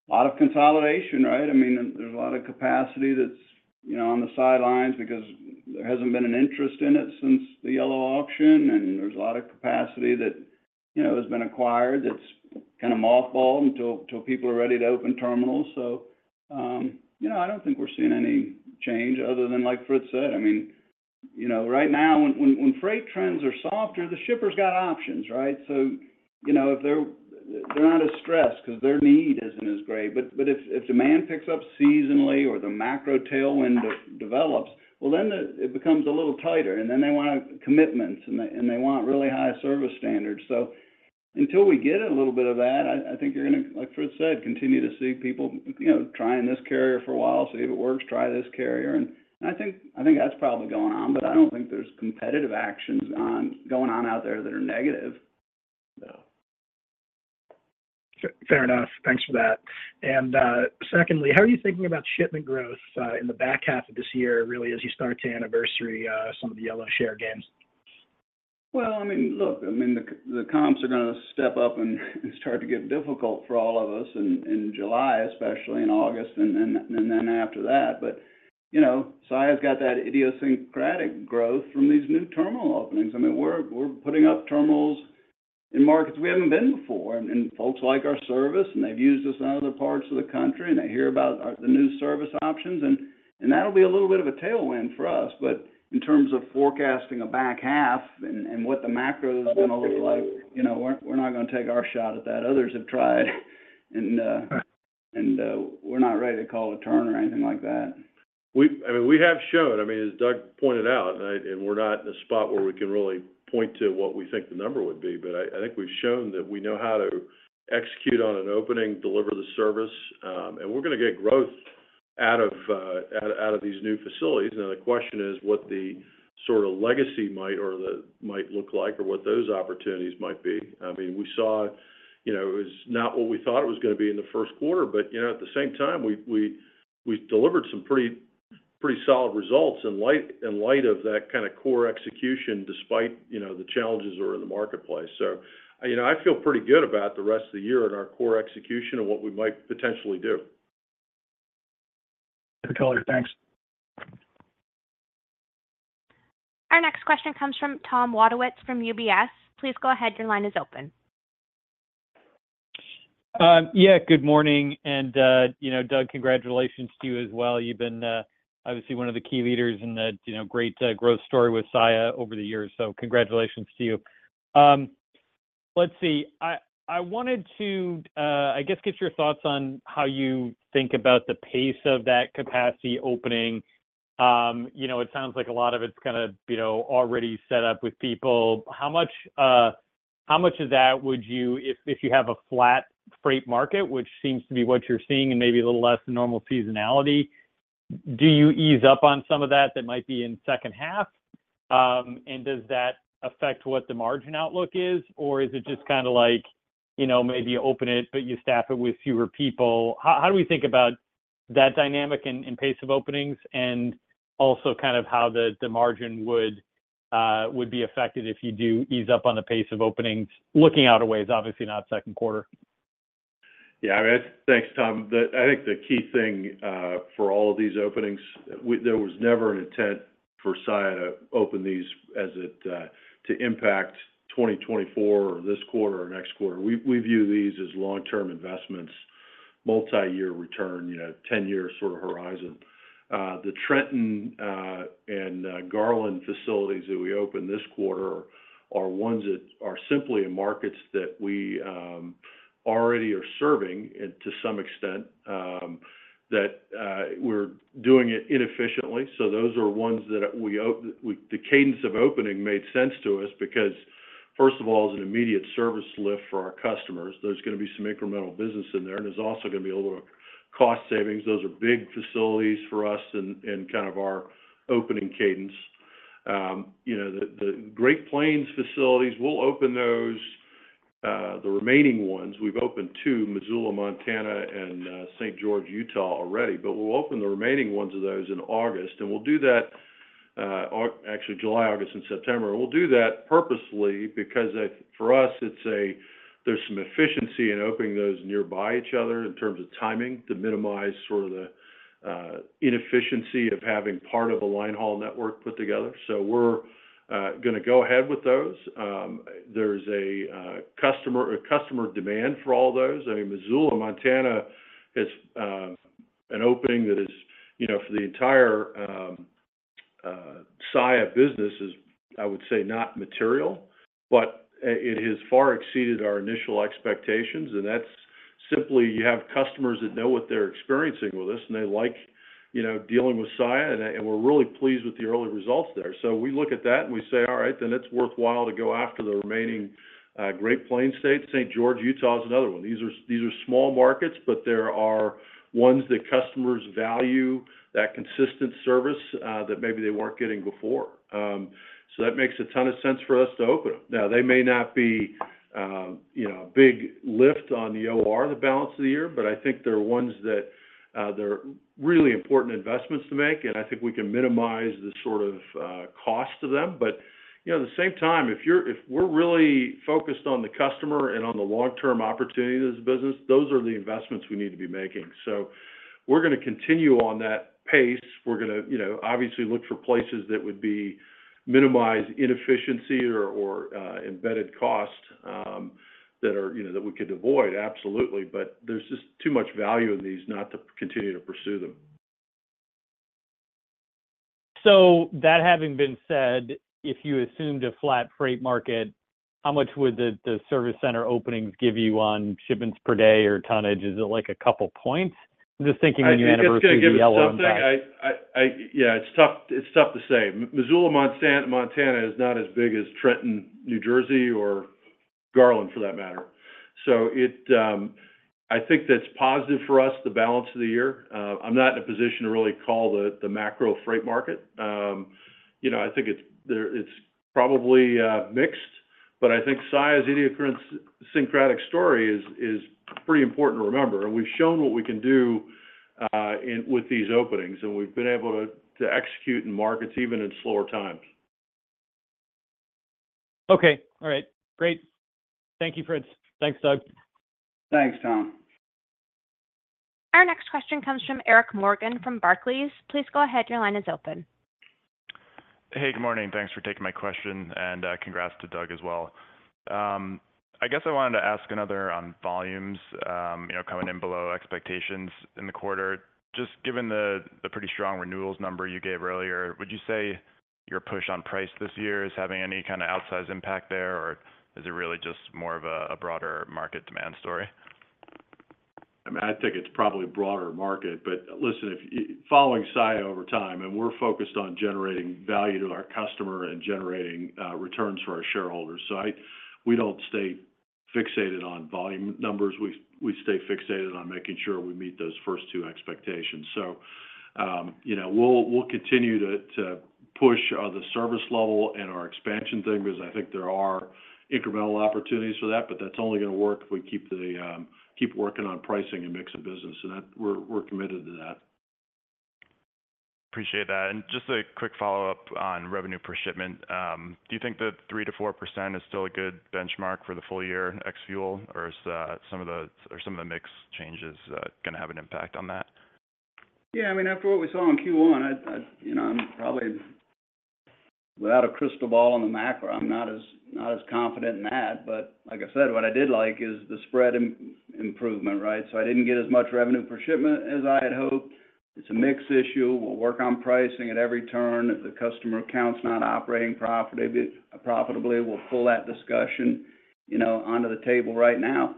Speaker 2: lot of consolidation, right? I mean, there's a lot of capacity that's, you know, on the sidelines because there hasn't been an interest in it since the Yellow auction, and there's a lot of capacity that, you know, has been acquired, that's kind of mothballed until people are ready to open terminals. So, you know, I don't think we're seeing any change other than like Fritz said. I mean, you know, right now, when freight trends are softer, the shippers got options, right? So, you know, if they're not as stressed because their need isn't as great. But if demand picks up seasonally or the macro tailwind develops, well, then it becomes a little tighter, and then they want commitments, and they want really high service standards. So until we get a little bit of that, I think you're gonna, like Fritz said, continue to see people, you know, trying this carrier for a while, see if it works, try this carrier. And I think that's probably going on, but I don't think there's competitive actions going on out there that are negative, so.
Speaker 6: Fair enough. Thanks for that. And, secondly, how are you thinking about shipment growth in the back half of this year, really, as you start to anniversary some of the Yellow share gains?
Speaker 2: Well, I mean, look, I mean, the comps are gonna step up and start to get difficult for all of us in July, especially in August, and then after that. But, you know, Saia's got that idiosyncratic growth from these new terminal openings. I mean, we're putting up terminals in markets we haven't been before, and folks like our service, and they've used us in other parts of the country, and they hear about our the new service options, and that'll be a little bit of a tailwind for us. But in terms of forecasting a back half and what the macro is gonna look like, you know, we're not gonna take our shot at that. Others have tried, and we're not ready to call a turn or anything like that.
Speaker 3: I mean, we have shown, I mean, as Doug pointed out, and we're not in a spot where we can really point to what we think the number would be, but I think we've shown that we know how to execute on an opening, deliver the service, and we're gonna get growth out of these new facilities. Now, the question is what the sort of legacy might look like or what those opportunities might be. I mean, we saw, you know, it was not what we thought it was gonna be in the first quarter, but, you know, at the same time, we delivered some pretty solid results in light of that kind of core execution, despite, you know, the challenges that are in the marketplace. You know, I feel pretty good about the rest of the year and our core execution and what we might potentially do.
Speaker 6: Thanks.
Speaker 1: Our next question comes from Tom Wadewitz from UBS. Please go ahead. Your line is open.
Speaker 7: Yeah, good morning, and, you know, Doug, congratulations to you as well. You've been obviously one of the key leaders in the, you know, great growth story with Saia over the years, so congratulations to you. Let's see. I wanted to, I guess, get your thoughts on how you think about the pace of that capacity opening. You know, it sounds like a lot of it's kinda, you know, already set up with people. How much of that would you—if you have a flat freight market, which seems to be what you're seeing and maybe a little less than normal seasonality, do you ease up on some of that that might be in second half? And does that affect what the margin outlook is, or is it just kinda like, you know, maybe you open it, but you staff it with fewer people? How do we think about that dynamic and pace of openings, and also kind of how the margin would be affected if you do ease up on the pace of opening, looking out a way is obviously not second quarter?
Speaker 3: Yeah, I mean, thanks, Tom. I think the key thing for all of these openings, we there was never an intent for Saia to open these as it to impact 2024 or this quarter or next quarter. We, we view these as long-term investments, multi-year return, you know, 10-year sort of horizon. The Trenton and Garland facilities that we opened this quarter are ones that are simply in markets that we already are serving and to some extent that we're doing it inefficiently. So those are ones that we, the cadence of opening made sense to us because, first of all, as an immediate service lift for our customers, there's going to be some incremental business in there, and there's also going to be a little cost savings. Those are big facilities for us and kind of our opening cadence. You know, the Great Plains facilities, we'll open those, the remaining ones. We've opened two, Missoula, Montana, and St. George, Utah, already, but we'll open the remaining ones of those in August, and we'll do that, actually July, August, and September. We'll do that purposely because for us, it's a, there's some efficiency in opening those nearby each other in terms of timing, to minimize sort of the inefficiency of having part of a line haul network put together. So we're going to go ahead with those. There's a customer, a customer demand for all those. I mean, Missoula, Montana, is an opening that is, you know, for the entire Saia business is, I would say, not material, but it has far exceeded our initial expectations, and that's simply you have customers that know what they're experiencing with us, and they like, you know, dealing with Saia, and we're really pleased with the early results there. So we look at that, and we say, "All right, then it's worthwhile to go after the remaining Great Plains states." St. George, Utah, is another one. These are small markets, but there are ones that customers value, that consistent service that maybe they weren't getting before. So that makes a ton of sense for us to open them. Now, they may not be, you know, a big lift on the OR, the balance of the year, but I think they're ones that, they're really important investments to make, and I think we can minimize the sort of, cost to them. But, you know, at the same time, if we're really focused on the customer and on the long-term opportunity of this business, those are the investments we need to be making. So we're going to continue on that pace. We're going to, you know, obviously look for places that would be minimize inefficiency or, or, embedded cost, that are, you know, that we could avoid, absolutely. But there's just too much value in these not to continue to pursue them.
Speaker 7: So that having been said, if you assumed a flat freight market, how much would the service center openings give you on shipments per day or tonnage? Is it like a couple points? Just thinking when you annualize Yellow and back.
Speaker 3: I think it's going to give you something. Yeah, it's tough, it's tough to say. Missoula, Montana is not as big as Trenton, New Jersey, or Garland, for that matter. So I think that's positive for us, the balance of the year. I'm not in a position to really call the macro freight market. You know, I think it's there, it's probably mixed, but I think Saia's idiosyncratic story is pretty important to remember, and we've shown what we can do with these openings, and we've been able to execute in markets even in slower times.
Speaker 7: Okay. All right. Great. Thank you, Fritz. Thanks, Doug.
Speaker 2: Thanks, Tom.
Speaker 1: Our next question comes from Eric Morgan, from Barclays. Please go ahead. Your line is open.
Speaker 8: Hey, good morning. Thanks for taking my question, and, congrats to Doug as well. I guess I wanted to ask another on volumes, you know, coming in below expectations in the quarter. Just given the, the pretty strong renewals number you gave earlier, would you say your push on price this year is having any kind of outsized impact there, or is it really just more of a, a broader market demand story?
Speaker 3: I mean, I think it's probably a broader market, but listen, following Saia over time, and we're focused on generating value to our customer and generating returns for our shareholders. So, we don't stay fixated on volume numbers. We stay fixated on making sure we meet those first two expectations. So, you know, we'll continue to push the service level and our expansion thing because I think there are incremental opportunities for that, but that's only going to work if we keep working on pricing and mix of business, so that we're committed to that.
Speaker 8: Appreciate that. Just a quick follow-up on revenue per shipment. Do you think that 3%-4% is still a good benchmark for the full year ex-fuel, or is some of the mix changes going to have an impact on that?
Speaker 2: Yeah, I mean, after what we saw in Q1, I, you know, I'm probably... Without a crystal ball on the macro, I'm not as confident in that, but like I said, what I did like is the spread improvement, right? So I didn't get as much revenue per shipment as I had hoped. It's a mix issue. We'll work on pricing at every turn. If the customer account's not operating profitably, we'll pull that discussion, you know, onto the table right now.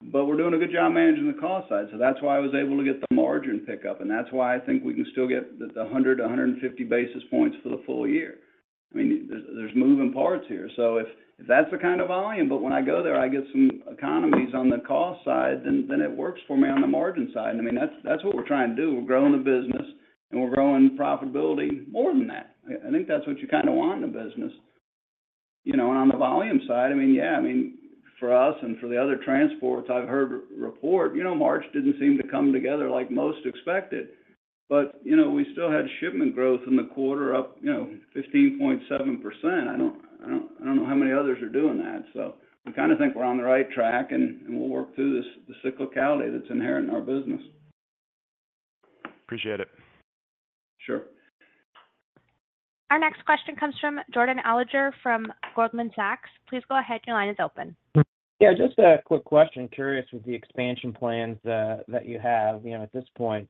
Speaker 2: But we're doing a good job managing the cost side, so that's why I was able to get the margin pickup, and that's why I think we can still get the 100-150 basis points for the full year. I mean, there's moving parts here, so if that's the kind of volume, but when I go there, I get some economies on the cost side, then it works for me on the margin side. I mean, that's what we're trying to do. We're growing the business, and we're growing profitability more than that. I think that's what you kind of want in a business. You know, on the volume side, I mean, yeah, I mean, for us and for the other transports, I've heard report, you know, March didn't seem to come together like most expected. But you know, we still had shipment growth in the quarter up 15.7%. I don't know how many others are doing that. We kinda think we're on the right track, and we'll work through this, the cyclicality that's inherent in our business.
Speaker 8: Appreciate it.
Speaker 2: Sure.
Speaker 1: Our next question comes from Jordan Alliger from Goldman Sachs. Please go ahead. Your line is open.
Speaker 9: Yeah, just a quick question. Curious with the expansion plans that you have, you know, at this point,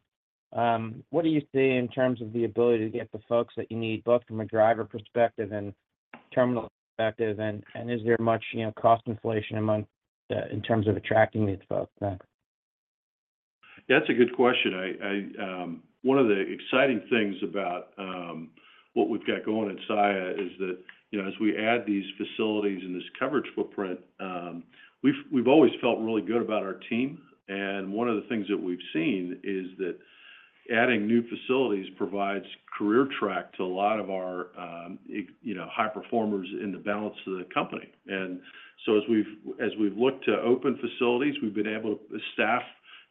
Speaker 9: what do you see in terms of the ability to get the folks that you need, both from a driver perspective and terminal perspective? And is there much, you know, cost inflation among the in terms of attracting these folks? Thanks.
Speaker 3: That's a good question. I... One of the exciting things about what we've got going at Saia is that, you know, as we add these facilities and this coverage footprint, we've always felt really good about our team. And one of the things that we've seen is that adding new facilities provides career track to a lot of our, you know, high performers in the balance of the company. And so as we've looked to open facilities, we've been able to staff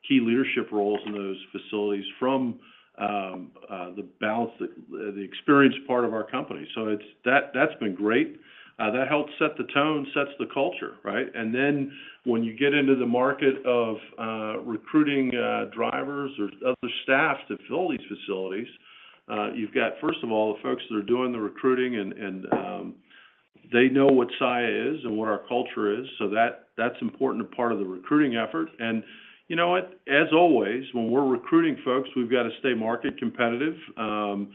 Speaker 3: key leadership roles in those facilities from the balance, the experienced part of our company. So it's... That's been great. That helps set the tone, sets the culture, right? And then, when you get into the market of recruiting drivers or other staff to fill these facilities, you've got, first of all, the folks that are doing the recruiting, and they know what Saia is and what our culture is, so that's important part of the recruiting effort. And you know what? As always, when we're recruiting folks, we've got to stay market competitive. You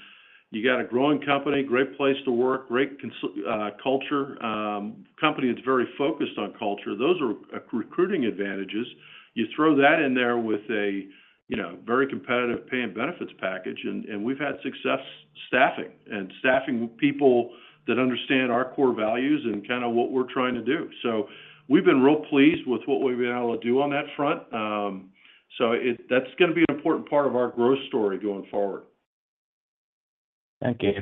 Speaker 3: got a growing company, great place to work, great culture, company that's very focused on culture. Those are recruiting advantages. You throw that in there with a, you know, very competitive pay and benefits package, and we've had success staffing, and staffing people that understand our core values and kinda what we're trying to do. So we've been real pleased with what we've been able to do on that front. So that's going to be an important part of our growth story going forward.
Speaker 9: Thank you.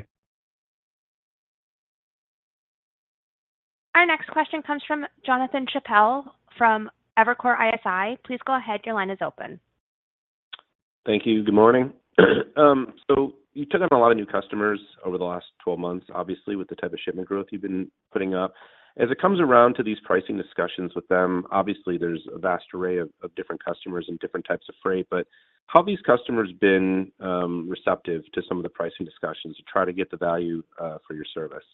Speaker 1: Our next question comes from Jonathan Chappell from Evercore ISI. Please go ahead. Your line is open.
Speaker 10: Thank you. Good morning. So you took on a lot of new customers over the last 12 months, obviously, with the type of shipment growth you've been putting up. As it comes around to these pricing discussions with them, obviously, there's a vast array of different customers and different types of freight, but how have these customers been receptive to some of the pricing discussions to try to get the value for your service?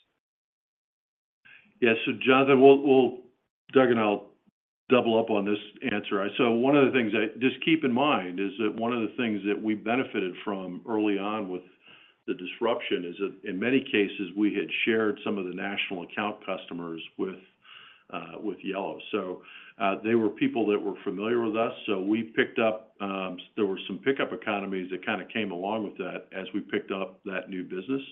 Speaker 3: Yeah. So Jonathan, we'll double up on this answer. So one of the things—just keep in mind is that one of the things that we benefited from early on with the disruption is that in many cases, we had shared some of the national account customers with Yellow. So, they were people that were familiar with us, so we picked up. There were some pickup economies that kinda came along with that as we picked up that new business.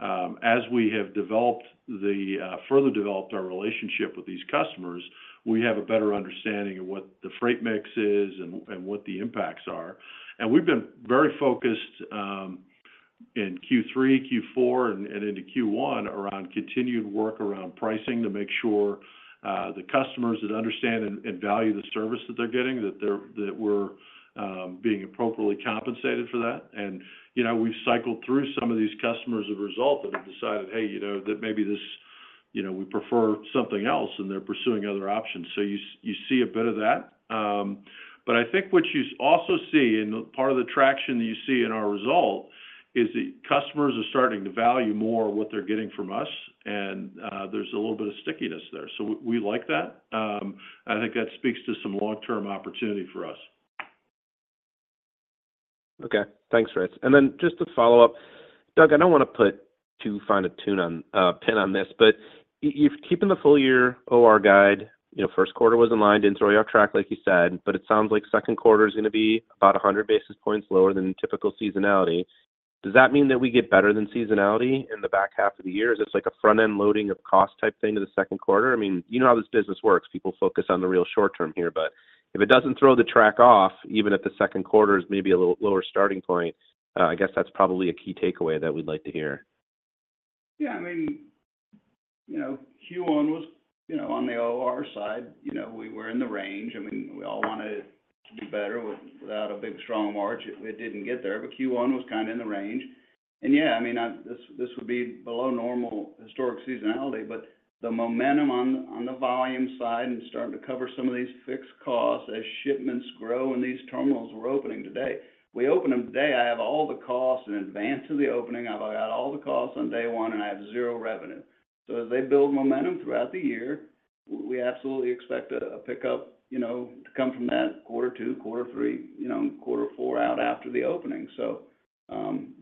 Speaker 3: As we have further developed our relationship with these customers, we have a better understanding of what the freight mix is and what the impacts are. And we've been very focused in Q3, Q4, and into Q1 around continued work around pricing to make sure the customers that understand and value the service that they're getting, that we're being appropriately compensated for that. And, you know, we've cycled through some of these customers as a result, and have decided, "Hey, you know, that maybe this, you know, we prefer something else," and they're pursuing other options. So you see a bit of that. But I think what you also see, and part of the traction you see in our result, is that customers are starting to value more what they're getting from us, and there's a little bit of stickiness there. So we like that. And I think that speaks to some long-term opportunity for us.
Speaker 10: Okay. Thanks, Fritz. And then just to follow up, Doug, I don't want to put too fine a point on this, but you're keeping the full year OR guide, you know, first quarter was in line, didn't throw you off track, like you said, but it sounds like second quarter is going to be about 100 basis points lower than typical seasonality. Does that mean that we get better than seasonality in the back half of the year? Is this like a front-end loading of cost type thing to the second quarter? I mean, you know how this business works. People focus on the real short term here, but if it doesn't throw the track off, even if the second quarter is maybe a little lower starting point, I guess that's probably a key takeaway that we'd like to hear.
Speaker 2: Yeah, I mean, you know, Q1 was, you know, on the OR side, you know, we were in the range. I mean, we all wanted to do better without a big, strong March. It didn't get there, but Q1 was kinda in the range. And yeah, I mean, this would be below normal historic seasonality, but the momentum on the volume side and starting to cover some of these fixed costs as shipments grow and these terminals we're opening today. We open them today, I have all the costs in advance of the opening. I've got all the costs on day one, and I have zero revenue. So as they build momentum throughout the year, we absolutely expect a pickup, you know, to come from that quarter two, quarter three, you know, quarter four out after the opening.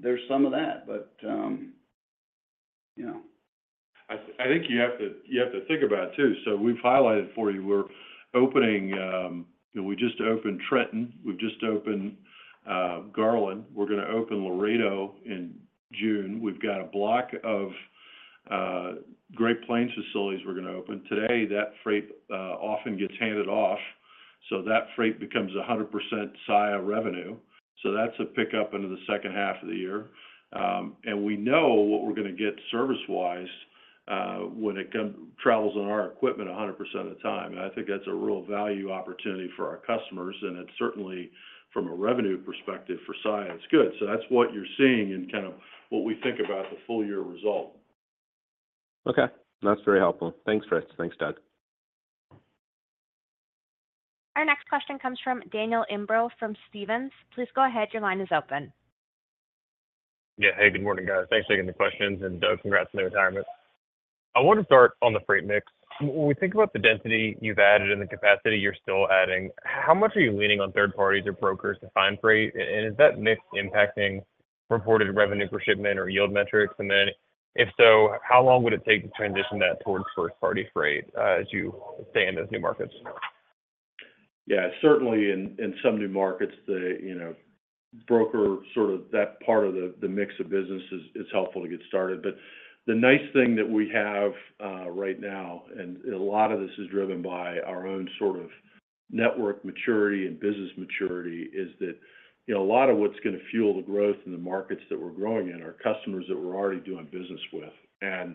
Speaker 2: There's some of that, but, you know.
Speaker 3: I, I think you have to, you have to think about it, too. So we've highlighted for you, we're opening. We just opened Trenton, we've just opened Garland. We're going to open Laredo in June. We've got a block of Great Plains facilities we're going to open. Today, that freight often gets handed off. So that freight becomes 100% Saia revenue, so that's a pickup into the second half of the year. And we know what we're gonna get service-wise, when it travels on our equipment 100% of the time. And I think that's a real value opportunity for our customers, and it's certainly from a revenue perspective for Saia, it's good. So that's what you're seeing and kind of what we think about the full year result.
Speaker 10: Okay. That's very helpful. Thanks, Chris. Thanks, Doug.
Speaker 1: Our next question comes from Daniel Imbro from Stephens. Please go ahead, your line is open.
Speaker 11: Yeah. Hey, good morning, guys. Thanks for taking the questions, and Doug, congrats on your retirement. I want to start on the freight mix. When we think about the density you've added and the capacity you're still adding, how much are you leaning on third parties or brokers to find freight? And is that mix impacting reported revenue per shipment or yield metrics? And then, if so, how long would it take to transition that towards first party freight, as you stay in those new markets?
Speaker 3: Yeah, certainly in some new markets, you know, the broker sort of that part of the mix of business is helpful to get started. But the nice thing that we have, right now, and a lot of this is driven by our own sort of network maturity and business maturity, is that, you know, a lot of what's gonna fuel the growth in the markets that we're growing in are customers that we're already doing business with. And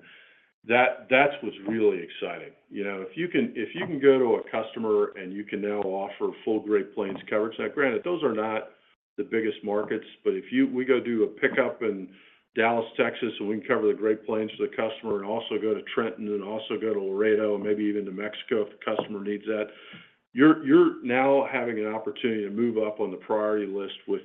Speaker 3: that, that's what's really exciting. You know, if you can go to a customer and you can now offer full Great Plains coverage... Now, granted, those are not the biggest markets, but if we go do a pickup in Dallas, Texas, and we can cover the Great Plains to the customer and also go to Trenton and also go to Laredo, and maybe even New Mexico, if the customer needs that, you're now having an opportunity to move up on the priority list with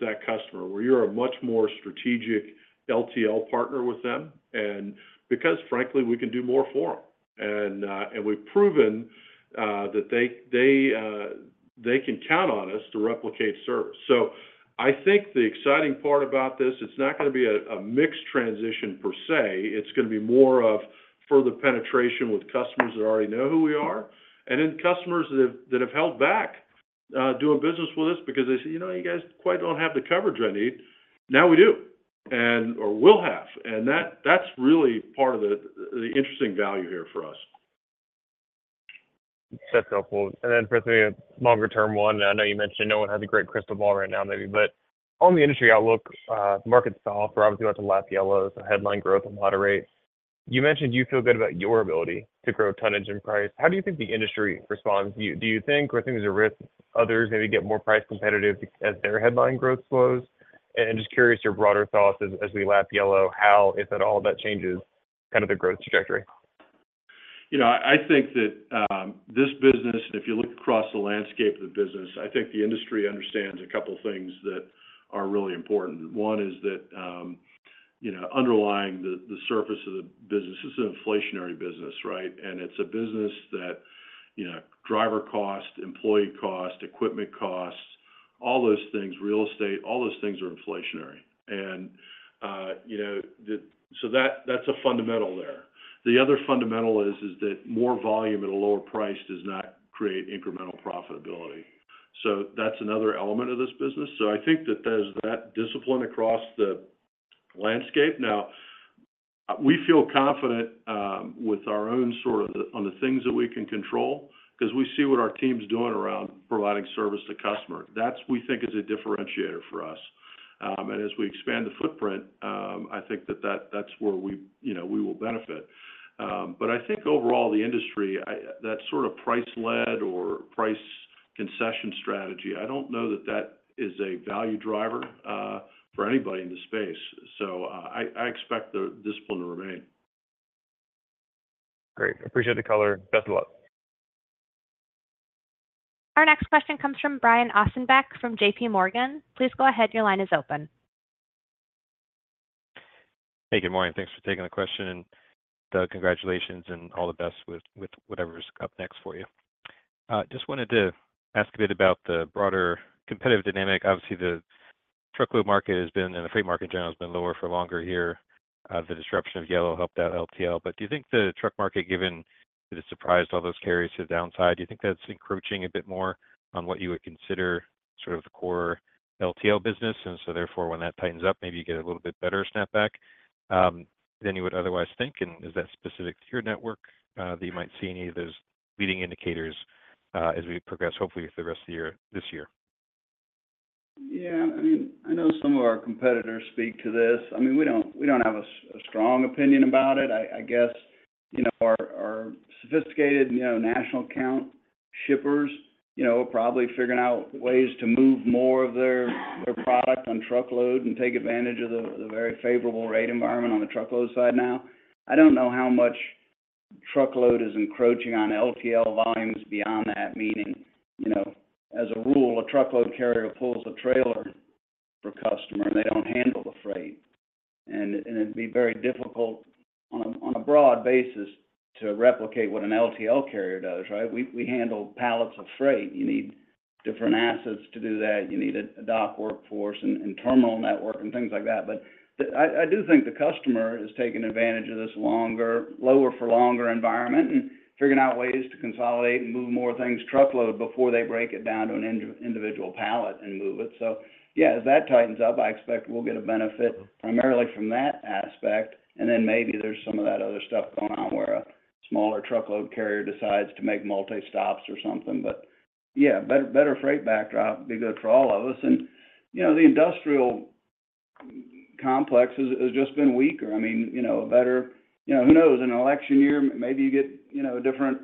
Speaker 3: that customer, where you're a much more strategic LTL partner with them, and because, frankly, we can do more for them. And, and we've proven that they can count on us to replicate service. So I think the exciting part about this, it's not gonna be a mixed transition per se, it's gonna be more of further penetration with customers that already know who we are, and then customers that have held back, doing business with us because they say, "You know, you guys quite don't have the coverage I need." Now we do, and or will have, and that's really part of the interesting value here for us.
Speaker 11: That's helpful. And then for maybe a longer term one, I know you mentioned no one has a great crystal ball right now, maybe, but on the industry outlook, market cycle, we're obviously about to lap Yellow, the headline growth and moderate. You mentioned you feel good about your ability to grow tonnage and price. How do you think the industry responds? Do you think there's a risk others maybe get more price competitive as their headline growth slows? And just curious your broader thoughts as we lap Yellow, how, if at all, that changes kind of the growth trajectory.
Speaker 3: You know, I think that this business, and if you look across the landscape of the business, I think the industry understands a couple of things that are really important. One is that you know, underlying the surface of the business, this is an inflationary business, right? And it's a business that you know, driver cost, employee cost, equipment costs, all those things, real estate, all those things are inflationary. So that, that's a fundamental there. The other fundamental is that more volume at a lower price does not create incremental profitability. So that's another element of this business. So I think that there's that discipline across the landscape. Now, we feel confident with our own sort of the-- on the things that we can control, 'cause we see what our team's doing around providing service to customer. That we think is a differentiator for us. And as we expand the footprint, I think that's where we, you know, we will benefit. But I think overall, the industry, that sort of price-led or price concession strategy, I don't know that is a value driver for anybody in this space. So, I expect the discipline to remain.
Speaker 11: Great. Appreciate the color. Best of luck.
Speaker 1: Our next question comes from Brian Ossenbeck from JPMorgan. Please go ahead, your line is open.
Speaker 12: Hey, good morning. Thanks for taking the question, and, Doug, congratulations and all the best with whatever is up next for you. Just wanted to ask a bit about the broader competitive dynamic. Obviously, the truckload market has been, and the freight market in general, has been lower for longer here. The disruption of Yellow helped out LTL, but do you think the truck market, given that it surprised all those carriers to the downside, do you think that's encroaching a bit more on what you would consider sort of the core LTL business? And so therefore, when that tightens up, maybe you get a little bit better snapback than you would otherwise think. And is that specific to your network, that you might see any of those leading indicators as we progress, hopefully, through the rest of the year, this year?
Speaker 2: Yeah, I mean, I know some of our competitors speak to this. I mean, we don't have a strong opinion about it. I guess, you know, our sophisticated national account shippers, you know, are probably figuring out ways to move more of their product on truckload and take advantage of the very favorable rate environment on the truckload side now. I don't know how much truckload is encroaching on LTL volumes beyond that, meaning, you know, as a rule, a truckload carrier pulls a trailer for customer, and they don't handle the freight. And it'd be very difficult on a broad basis to replicate what an LTL carrier does, right? We handle pallets of freight. You need different assets to do that. You need a dock workforce and terminal network, and things like that. But I do think the customer is taking advantage of this longer, lower for longer environment and figuring out ways to consolidate and move more things truckload before they break it down to an individual pallet and move it. So yeah, as that tightens up, I expect we'll get a benefit primarily from that aspect, and then maybe there's some of that other stuff going on where smaller truckload carrier decides to make multi-stops or something. But yeah, better freight backdrop would be good for all of us. And, you know, the industrial complex has just been weaker. I mean, you know, a better. You know, who knows? In an election year, maybe you get, you know, a different,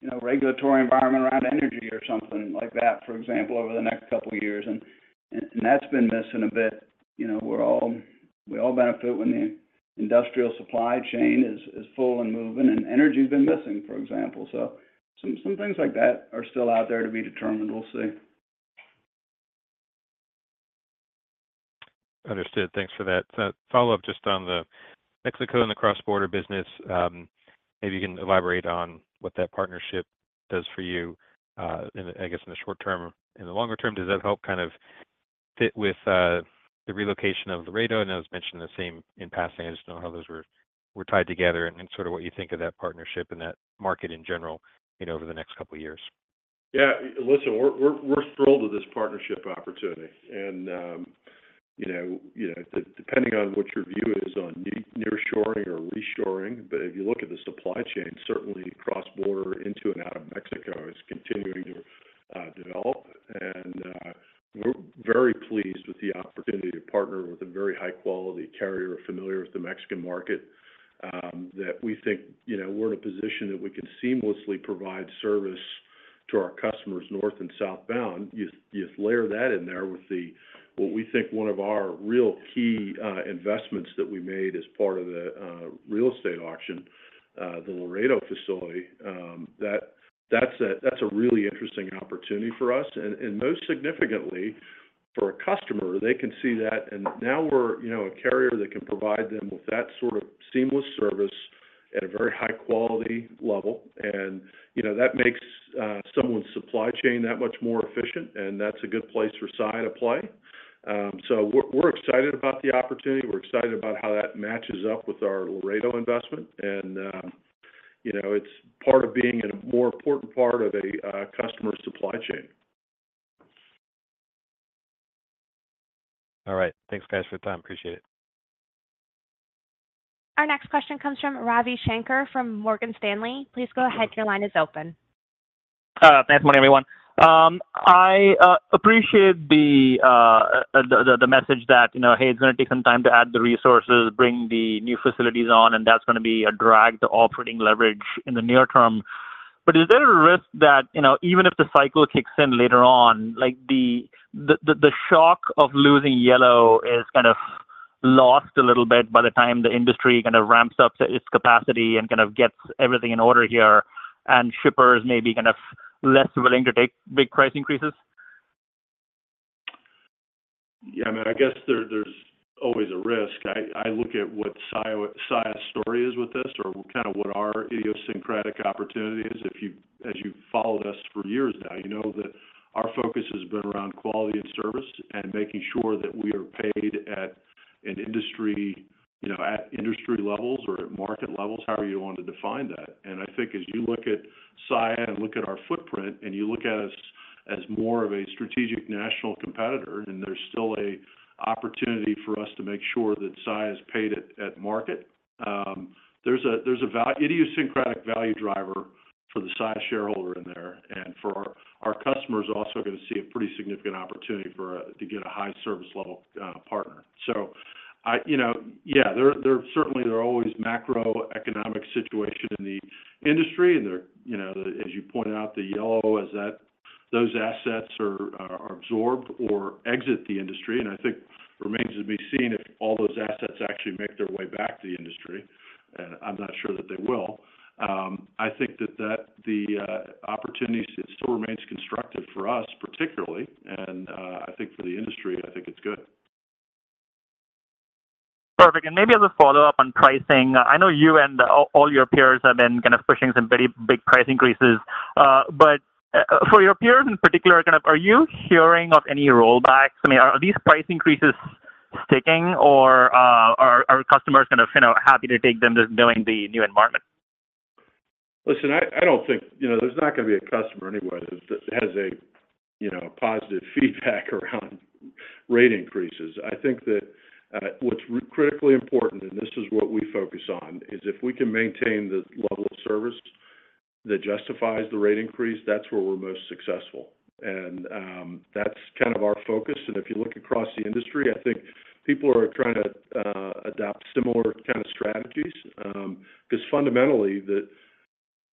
Speaker 2: you know, regulatory environment around energy or something like that, for example, over the next couple of years. And that's been missing a bit. You know, we all benefit when the industrial supply chain is full and moving, and energy has been missing, for example. So some things like that are still out there to be determined. We'll see.
Speaker 12: Understood. Thanks for that. So follow up just on the Mexico and the cross-border business, maybe you can elaborate on what that partnership does for you, in, I guess, in the short term. In the longer term, does that help kind of fit with, the relocation of Laredo? And that was mentioned the same in passing. I just don't know how those were tied together and sort of what you think of that partnership and that market in general in over the next couple of years.
Speaker 3: Yeah, listen, we're thrilled with this partnership opportunity. And, you know, you know, depending on what your view is on nearshoring or reshoring, but if you look at the supply chain, certainly cross-border into and out of Mexico is continuing to develop. And, we're very pleased with the opportunity to partner with a very high-quality carrier familiar with the Mexican market, that we think, you know, we're in a position that we can seamlessly provide service to our customers, north and southbound. You layer that in there with the what we think one of our real key investments that we made as part of the real estate auction, the Laredo facility, that that's a really interesting opportunity for us. And most significantly, for a customer, they can see that, and now we're, you know, a carrier that can provide them with that sort of seamless service at a very high quality level. And, you know, that makes someone's supply chain that much more efficient, and that's a good place for Saia to play. So we're excited about the opportunity. We're excited about how that matches up with our Laredo investment, and, you know, it's part of being in a more important part of a customer supply chain.
Speaker 12: All right. Thanks, guys, for the time. Appreciate it.
Speaker 1: Our next question comes from Ravi Shanker, from Morgan Stanley. Please go ahead. Your line is open.
Speaker 13: Good morning, everyone. I appreciate the message that, you know, "Hey, it's going to take some time to add the resources, bring the new facilities on, and that's going to be a drag to operating leverage in the near term." But is there a risk that, you know, even if the cycle kicks in later on, like, the shock of losing Yellow is kind of lost a little bit by the time the industry kind of ramps up to its capacity and kind of gets everything in order here, and shippers may be kind of less willing to take big price increases?
Speaker 3: Yeah, I mean, I guess there, there's always a risk. I, I look at what Saia, Saia's story is with this or kind of what our idiosyncratic opportunity is. If you, as you've followed us for years now, you know that our focus has been around quality and service and making sure that we are paid at an industry, you know, at industry levels or at market levels, however you want to define that. And I think as you look at Saia and look at our footprint, and you look at us as more of a strategic national competitor, then there's still a opportunity for us to make sure that Saia is paid at, at market. There's an idiosyncratic value driver for the Saia shareholder in there, and for our customers are also going to see a pretty significant opportunity to get a high service level partner. So, you know, yeah, there certainly are always macroeconomic situations in the industry, and, you know, as you pointed out, the Yellow, as those assets are absorbed or exit the industry, and I think it remains to be seen if all those assets actually make their way back to the industry. I'm not sure that they will. I think that the opportunities, it still remains constructive for us, particularly, and I think for the industry, I think it's good.
Speaker 13: Perfect. And maybe as a follow-up on pricing, I know you and all your peers have been kind of pushing some very big price increases, but, for your peers in particular, kind of are you hearing of any rollbacks? I mean, are these price increases sticking, or, are customers kind of, you know, happy to take them just knowing the new environment?
Speaker 3: Listen, I don't think. You know, there's not going to be a customer anywhere that has a, you know, positive feedback around rate increases. I think that what's critically important, and this is what we focus on, is if we can maintain the level of service that justifies the rate increase, that's where we're most successful. And that's kind of our focus. And if you look across the industry, I think people are trying to adapt similar kind of strategies, 'cause fundamentally,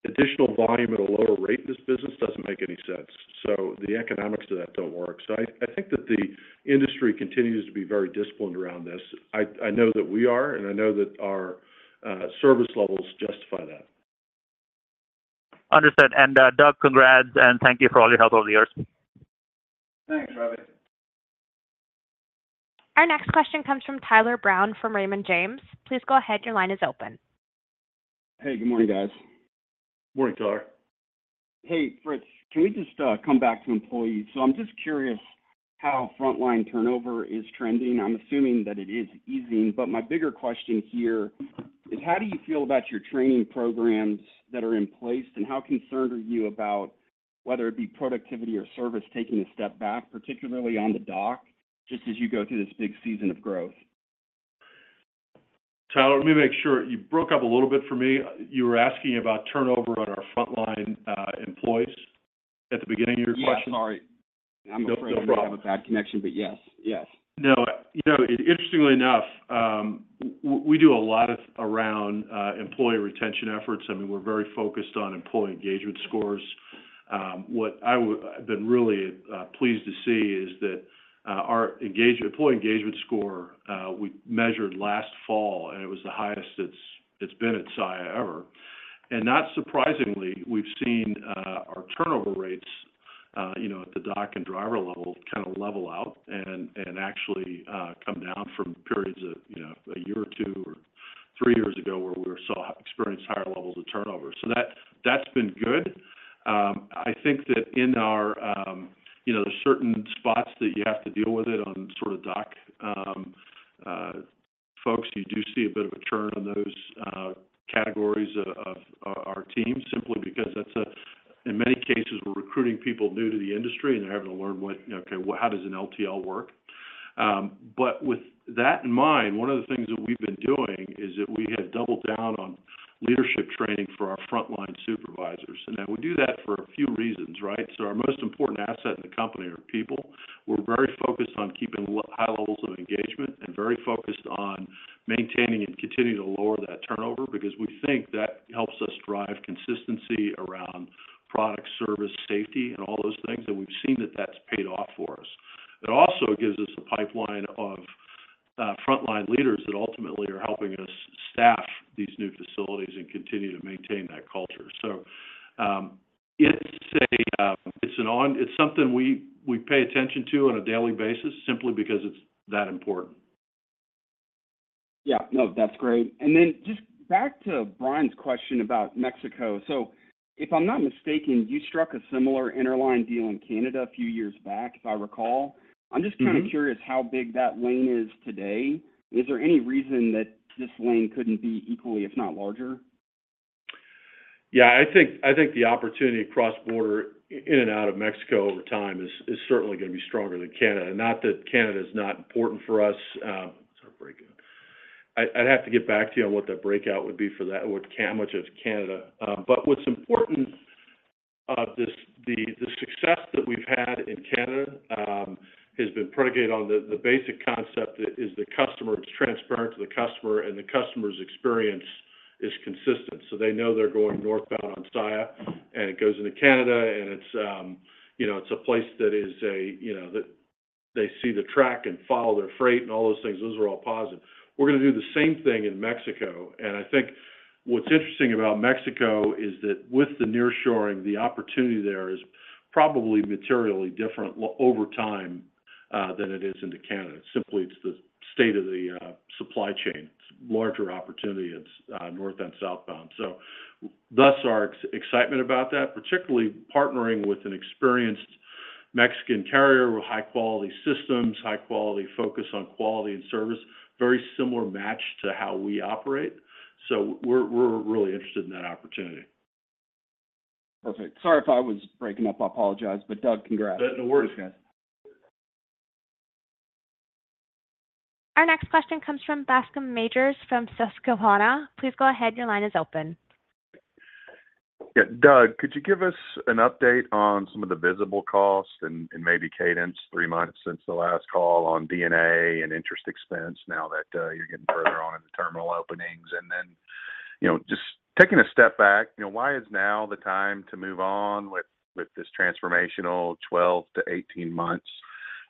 Speaker 3: the additional volume at a lower rate in this business doesn't make any sense, so the economics of that don't work. So I think that the industry continues to be very disciplined around this. I know that we are, and I know that our service levels justify that.
Speaker 13: Understood. And, Doug, congrats, and thank you for all your help over the years.
Speaker 2: Thanks, Ravi.
Speaker 1: Our next question comes from Tyler Brown, from Raymond James. Please go ahead. Your line is open.
Speaker 14: Hey, good morning, guys.
Speaker 3: Morning, Tyler.
Speaker 14: Hey, Fritz, can we just come back to employees? So I'm just curious how frontline turnover is trending. I'm assuming that it is easing, but my bigger question here is: how do you feel about your training programs that are in place, and how concerned are you about whether it be productivity or service, taking a step back, particularly on the dock, just as you go through this big season of growth?
Speaker 3: Tyler, let me make sure, you broke up a little bit for me. You were asking about turnover on our frontline employees at the beginning of your question?
Speaker 14: Yeah, sorry.
Speaker 3: No, no problem.
Speaker 14: I'm afraid I have a bad connection, but yes, yes.
Speaker 3: No, you know, interestingly enough, we do a lot around employee retention efforts, and we're very focused on employee engagement scores. What I've been really pleased to see is that our employee engagement score we measured last fall, and it was the highest it's been at Saia ever. And not surprisingly, we've seen our turnover rates you know at the dock and driver level kind of level out and actually come down from periods of you know a year or two or three years ago, where we experienced higher levels of turnover. So that's been good. I think that in our you know there's certain spots that you have to deal with it on sort of dock. Folks, you do see a bit of a churn on those categories of our team, simply because in many cases, we're recruiting people new to the industry, and they're having to learn what, you know, okay, well, how does an LTL work? But with that in mind, one of the things that we've been doing is that we have doubled down on leadership training for our frontline supervisors, and we do that for a few reasons, right? So our most important asset in the company are people. We're very focused on keeping high levels of engagement and very focused on maintaining and continuing to lower that turnover because we think that helps us drive consistency around product, service, safety, and all those things, and we've seen that that's paid off for us. It also gives us a pipeline of frontline leaders that ultimately are helping us staff these new facilities and continue to maintain that culture. So, it's a it's something we, we pay attention to on a daily basis simply because it's that important.
Speaker 14: Yeah. No, that's great. And then just back to Brian's question about Mexico. So if I'm not mistaken, you struck a similar interline deal in Canada a few years back, if I recall.
Speaker 3: Mm-hmm.
Speaker 14: I'm just kind of curious how big that lane is today. Is there any reason that this lane couldn't be equally, if not larger?
Speaker 3: Yeah, I think the opportunity cross-border in and out of Mexico over time is certainly going to be stronger than Canada. Not that Canada is not important for us. I'd have to get back to you on what that breakout would be for that, which is Canada. But what's important, the success that we've had in Canada has been predicated on the basic concept is the customer, it's transparent to the customer, and the customer's experience is consistent. So they know they're going northbound on Saia, and it goes into Canada, and it's, you know, it's a place that is, you know, that they see the track and follow their freight and all those things. Those are all positive. We're going to do the same thing in Mexico, and I think what's interesting about Mexico is that with the nearshoring, the opportunity there is probably materially different over time than it is into Canada. Simply, it's the state of the supply chain. It's larger opportunity. It's north and southbound. So thus our excitement about that, particularly partnering with an experienced Mexican carrier with high-quality systems, high quality, focus on quality and service, very similar match to how we operate. So we're really interested in that opportunity.
Speaker 14: Perfect. Sorry if I was breaking up. I apologize, but, Doug, congrats.
Speaker 3: No worries.
Speaker 1: Our next question comes from Bascome Majors, from Susquehanna. Please go ahead. Your line is open.
Speaker 15: Yeah, Doug, could you give us an update on some of the visible costs and, and maybe cadence, three months since the last call on D&A and interest expense, now that you're getting further on in the terminal openings? And then, you know, just taking a step back, you know, why is now the time to move on with, with this transformational 12-18 months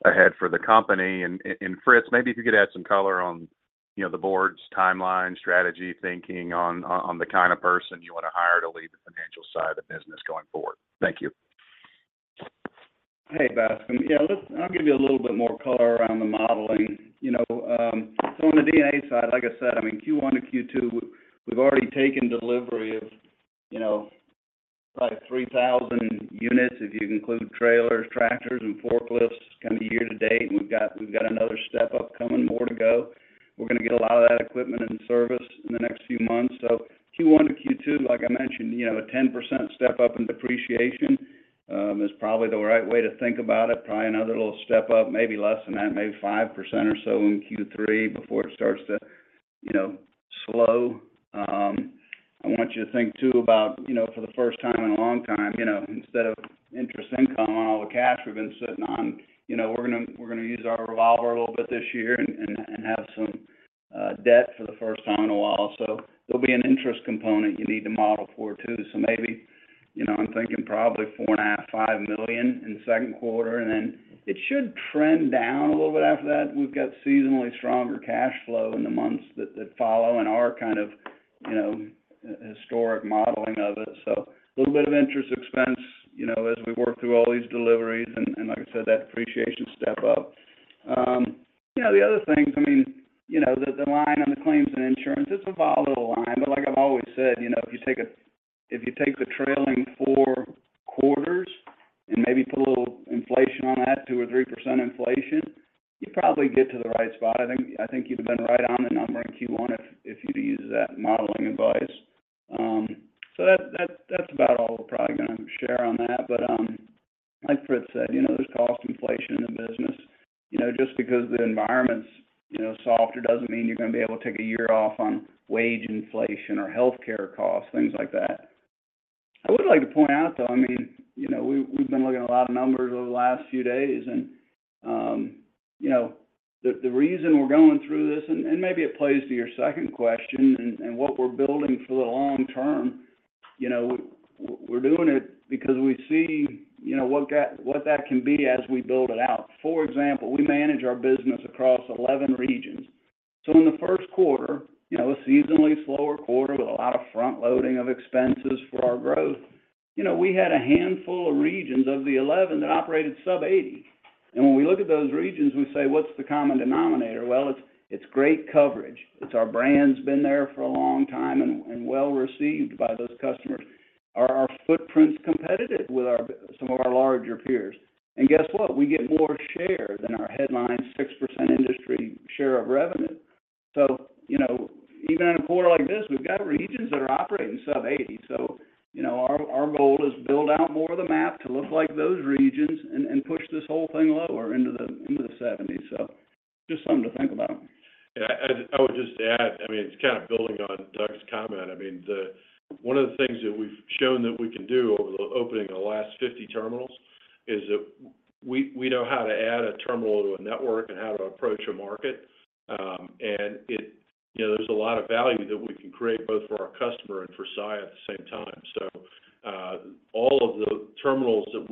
Speaker 15: ahead for the company? And, and, and Fritz, maybe if you could add some color on, you know, the board's timeline, strategy, thinking on, on the kind of person you want to hire to lead the financial side of the business going forward. Thank you.
Speaker 2: Hey, Bascome. Yeah, let's... I'll give you a little bit more color around the modeling. You know, so on the D&A side, like I said, I mean, Q1 to Q2, we've already taken delivery of, you know, like 3,000 units, if you include trailers, tractors, and forklifts, kind of year-to-date. We've got, we've got another step up coming, more to go. We're going to get a lot of that equipment in service in the next few months. So Q1 to Q2, like I mentioned, you know, a 10% step up in depreciation is probably the right way to think about it. Probably another little step up, maybe less than that, maybe 5% or so in Q3 before it starts to, you know, slow. I want you to think too about, you know, for the first time in a long time, you know, instead of interest income on all the cash we've been sitting on, you know, we're gonna use our revolver a little bit this year and have some debt for the first time in a while. So there'll be an interest component you need to model for, too. So maybe, you know, I'm thinking probably $4.5 million-$5 million in the second quarter, and then it should trend down a little bit after that. We've got seasonally stronger cash flow in the months that follow and are kind of, you know, historic modeling of it. So a little bit of interest expense, you know, as we work through all these deliveries, and like I said, that depreciation step up. You know, the other things, I mean, you know, the line on the claims and insurance, it's a volatile line, but like I've always said, you know, if you take the trailing four quarters and maybe put a little inflation on that, 2%-3% inflation, you'd probably get to the right spot. I think, I think you'd have been right on the number in Q1 if you'd have used that modeling advice. So that, that's about all we're probably gonna share on that. But, like Fritz said, you know, there's cost inflation in the business. You know, just because the environment's, you know, softer, doesn't mean you're gonna be able to take a year off on wage inflation or healthcare costs, things like that. I would like to point out, though, I mean, you know, we've been looking at a lot of numbers over the last few days, and, you know, the reason we're going through this, and maybe it plays to your second question, and what we're building for the long term, you know, we're doing it because we see, you know, what that can be as we build it out. For example, we manage our business across 11 regions. So in the first quarter, you know, a seasonally slower quarter with a lot of front-loading of expenses for our growth, you know, we had a handful of regions of the 11 that operated sub-80. And when we look at those regions, we say, "What's the common denominator?" Well, it's great coverage. It's our brand's been there for a long time and well-received by those customers. Are our footprints competitive with our bigger some of our larger peers? And guess what? We get more share than our headline 6% industry share of revenue. So, you know, even in a quarter like this, we've got regions that are operating sub-80. So, you know, our goal is to build out more of the map to look like those regions and push this whole thing lower into the 70s. So just something to think about.
Speaker 3: Yeah, and I would just add, I mean, it's kind of building on Doug's comment. I mean, one of the things that we've shown that we can do over the opening of the last 50 terminals is that we know how to add a terminal to a network and how to approach a market. And it. You know, there's a lot of value that we can create, both for our customer and for Saia at the same time. So, all of the terminals that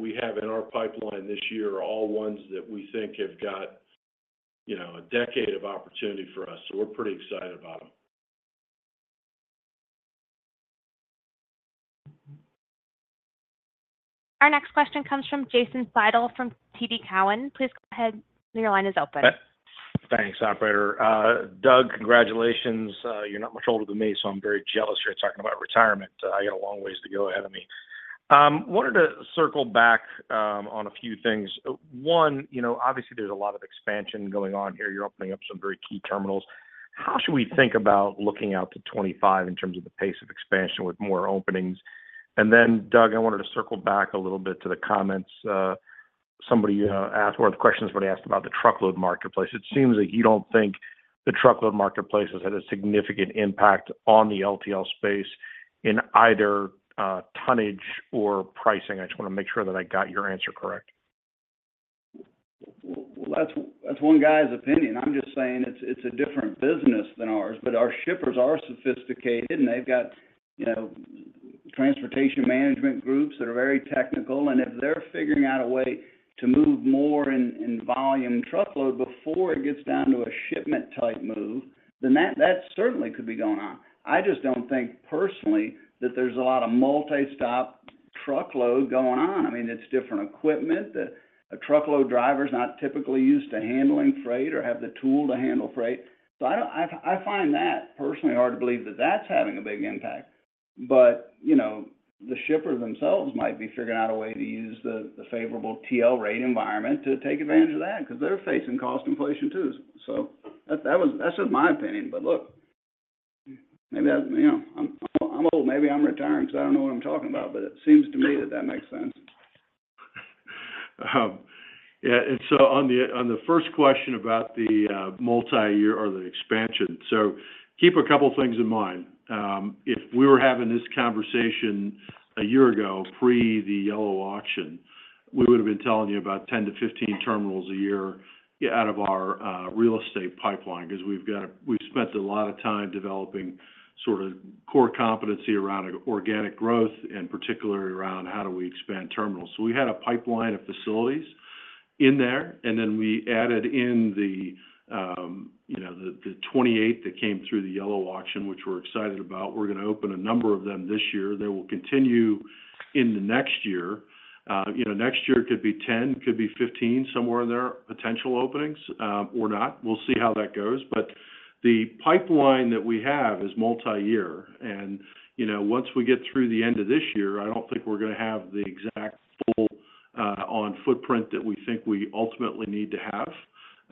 Speaker 3: we have in our pipeline this year are all ones that we think have got, you know, a decade of opportunity for us, so we're pretty excited about them.
Speaker 1: Our next question comes from Jason Seidl from TD Cowen. Please go ahead. Your line is open.
Speaker 16: Thanks, Operator. Doug, congratulations. You're not much older than me, so I'm very jealous you're talking about retirement. I got a long ways to go ahead of me. Wanted to circle back on a few things. One, you know, obviously, there's a lot of expansion going on here. You're opening up some very key terminals. How should we think about looking out to 2025 in terms of the pace of expansion with more openings? And then, Doug, I wanted to circle back a little bit to the comments. Somebody asked, or the questions were asked about the truckload marketplace. It seems like you don't think the truckload marketplace has had a significant impact on the LTL space in either tonnage or pricing. I just want to make sure that I got your answer correct.
Speaker 2: Well, that's one guy's opinion. I'm just saying it's a different business than ours. But our shippers are sophisticated, and they've got, you know, transportation management groups that are very technical. And if they're figuring out a way to move more in volume truckload before it gets down to a shipment-type move, then that certainly could be going on. I just don't think, personally, that there's a lot of multi-stop truckload going on. I mean, it's different equipment that a truckload driver is not typically used to handling freight or have the tool to handle freight. So I don't. I find that personally hard to believe that that's having a big impact. But, you know, the shippers themselves might be figuring out a way to use the favorable TL rate environment to take advantage of that, 'cause they're facing cost inflation, too. That's just my opinion, but look, maybe I'm, you know, old, maybe I'm retiring, so I don't know what I'm talking about, but it seems to me that that makes sense.
Speaker 3: Yeah, and so on the first question about the multiyear or the expansion. So keep a couple of things in mind. If we were having this conversation a year ago, pre the Yellow auction, we would've been telling you about 10-15 terminals a year out of our real estate pipeline, 'cause we've spent a lot of time developing sort of core competency around organic growth, and particularly around how do we expand terminals. So we had a pipeline of facilities in there, and then we added in the, you know, the 28 that came through the Yellow auction, which we're excited about. We're gonna open a number of them this year. They will continue in the next year. You know, next year could be 10, could be 15, somewhere in there, potential openings, or not. We'll see how that goes. But the pipeline that we have is multiyear, and, you know, once we get through the end of this year, I don't think we're gonna have the exact full on footprint that we think we ultimately need to have.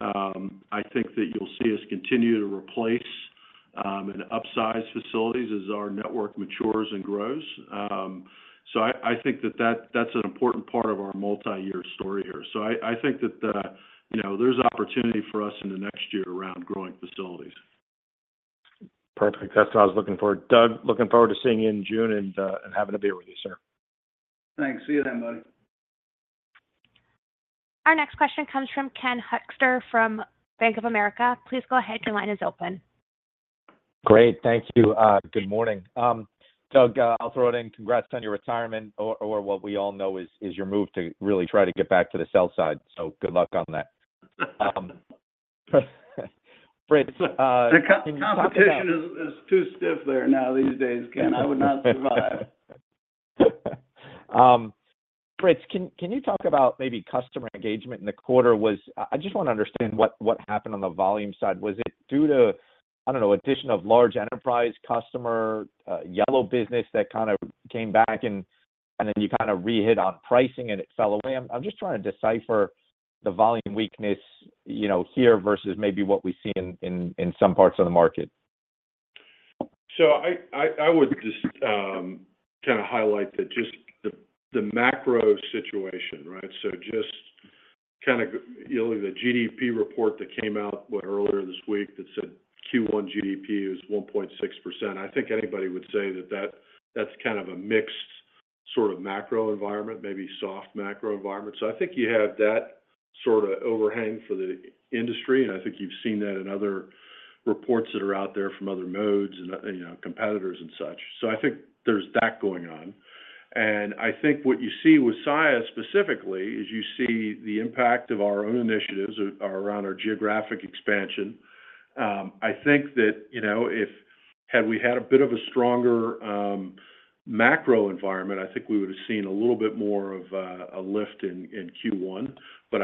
Speaker 3: I think that you'll see us continue to replace and upsize facilities as our network matures and grows. So I think that that's an important part of our multiyear story here. So I think that, you know, there's opportunity for us in the next year around growing facilities.
Speaker 16: Perfect. That's what I was looking for. Doug, looking forward to seeing you in June and having a beer with you, sir.
Speaker 2: Thanks. See you then, buddy.
Speaker 1: Our next question comes from Ken Hoexter from Bank of America. Please go ahead. Your line is open.
Speaker 17: Great. Thank you. Good morning. Doug, I'll throw it in. Congrats on your retirement, or what we all know is your move to really try to get back to the sell side. So good luck on that. Fritz, can you-
Speaker 2: The competition is too stiff there now these days, Ken. I would not survive.
Speaker 17: Fritz, can you talk about maybe customer engagement in the quarter? I just want to understand what happened on the volume side. Was it due to, I don't know, addition of large enterprise customer, Yellow business that kind of came back and then you kind of re-hit on pricing, and it fell away? I'm just trying to decipher the volume weakness, you know, here versus maybe what we see in some parts of the market?
Speaker 3: So I would just kind of highlight that just the macro situation, right? So just kind of, you know, the GDP report that came out, what, earlier this week, that said Q1 GDP is 1.6%. I think anybody would say that that's kind of a mixed sort of macro environment, maybe soft macro environment. So I think you have that sort of overhang for the industry, and I think you've seen that in other reports that are out there from other modes and, you know, competitors and such. So I think there's that going on. And I think what you see with Saia specifically is you see the impact of our own initiatives around our geographic expansion. I think that, you know, if we had had a bit of a stronger macro environment, I think we would have seen a little bit more of a lift in Q1. But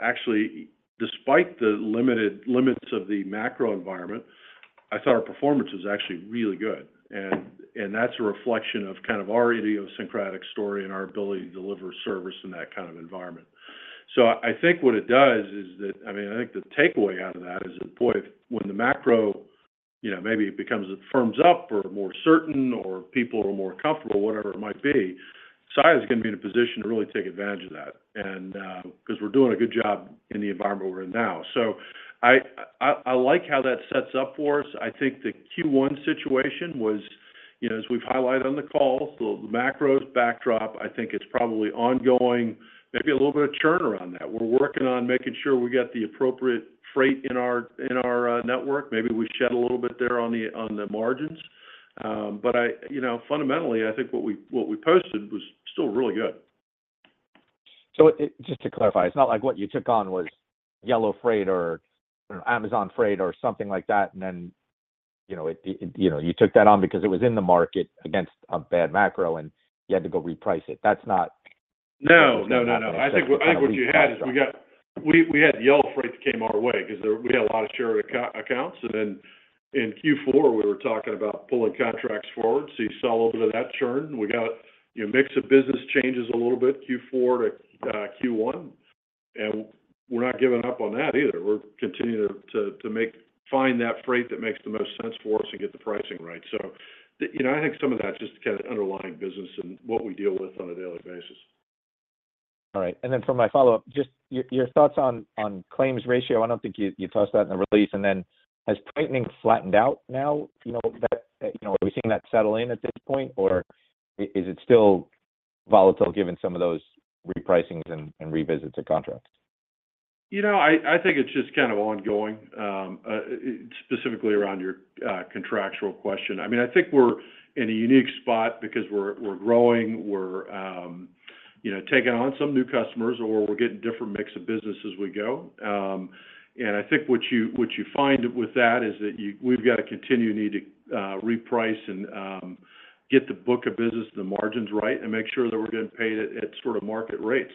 Speaker 3: actually, despite the limited limits of the macro environment, I thought our performance was actually really good, and that's a reflection of kind of our idiosyncratic story and our ability to deliver service in that kind of environment. So I think what it does is that... I mean, I think the takeaway out of that is, boy, when the macro, you know, maybe becomes it firms up or more certain or people are more comfortable or whatever it might be, Saia is gonna be in a position to really take advantage of that, and because we're doing a good job in the environment we're in now. So I like how that sets up for us. I think the Q1 situation was, you know, as we've highlighted on the call, the macros backdrop, I think it's probably ongoing, maybe a little bit of churn around that. We're working on making sure we get the appropriate freight in our network. Maybe we shed a little bit there on the margins. But I, you know, fundamentally, I think what we posted was still really good.
Speaker 17: So just to clarify, it's not like what you took on was Yellow freight or Amazon freight or something like that, and then, you know, it, you know, you took that on because it was in the market against a bad macro and you had to go reprice it. That's not-
Speaker 3: No, no, no, no. I think, I think what you had is we got—we had Yellow freight came our way because we had a lot of shared accounts. And then in Q4, we were talking about pulling contracts forward, so you saw a little bit of that churn. We got, you know, mix of business changes a little bit, Q4 to Q1, and we're not giving up on that either. We're continuing to find that freight that makes the most sense for us and get the pricing right. So, you know, I think some of that just kind of underlying business and what we deal with on a daily basis.
Speaker 17: All right. For my follow-up, just your thoughts on claims ratio. I don't think you touched that in the release. Has tightening flattened out now? You know, are we seeing that settle in at this point, or is it still volatile given some of those repricings and revisits to contracts?
Speaker 3: You know, I, I think it's just kind of ongoing, specifically around your contractual question. I mean, I think we're in a unique spot because we're, we're growing, we're, you know, taking on some new customers, or we're getting different mix of business as we go. And I think what you, what you find with that is that we've got to continue to need to, reprice and, get the book of business, the margins right, and make sure that we're getting paid at, at sort of market rates.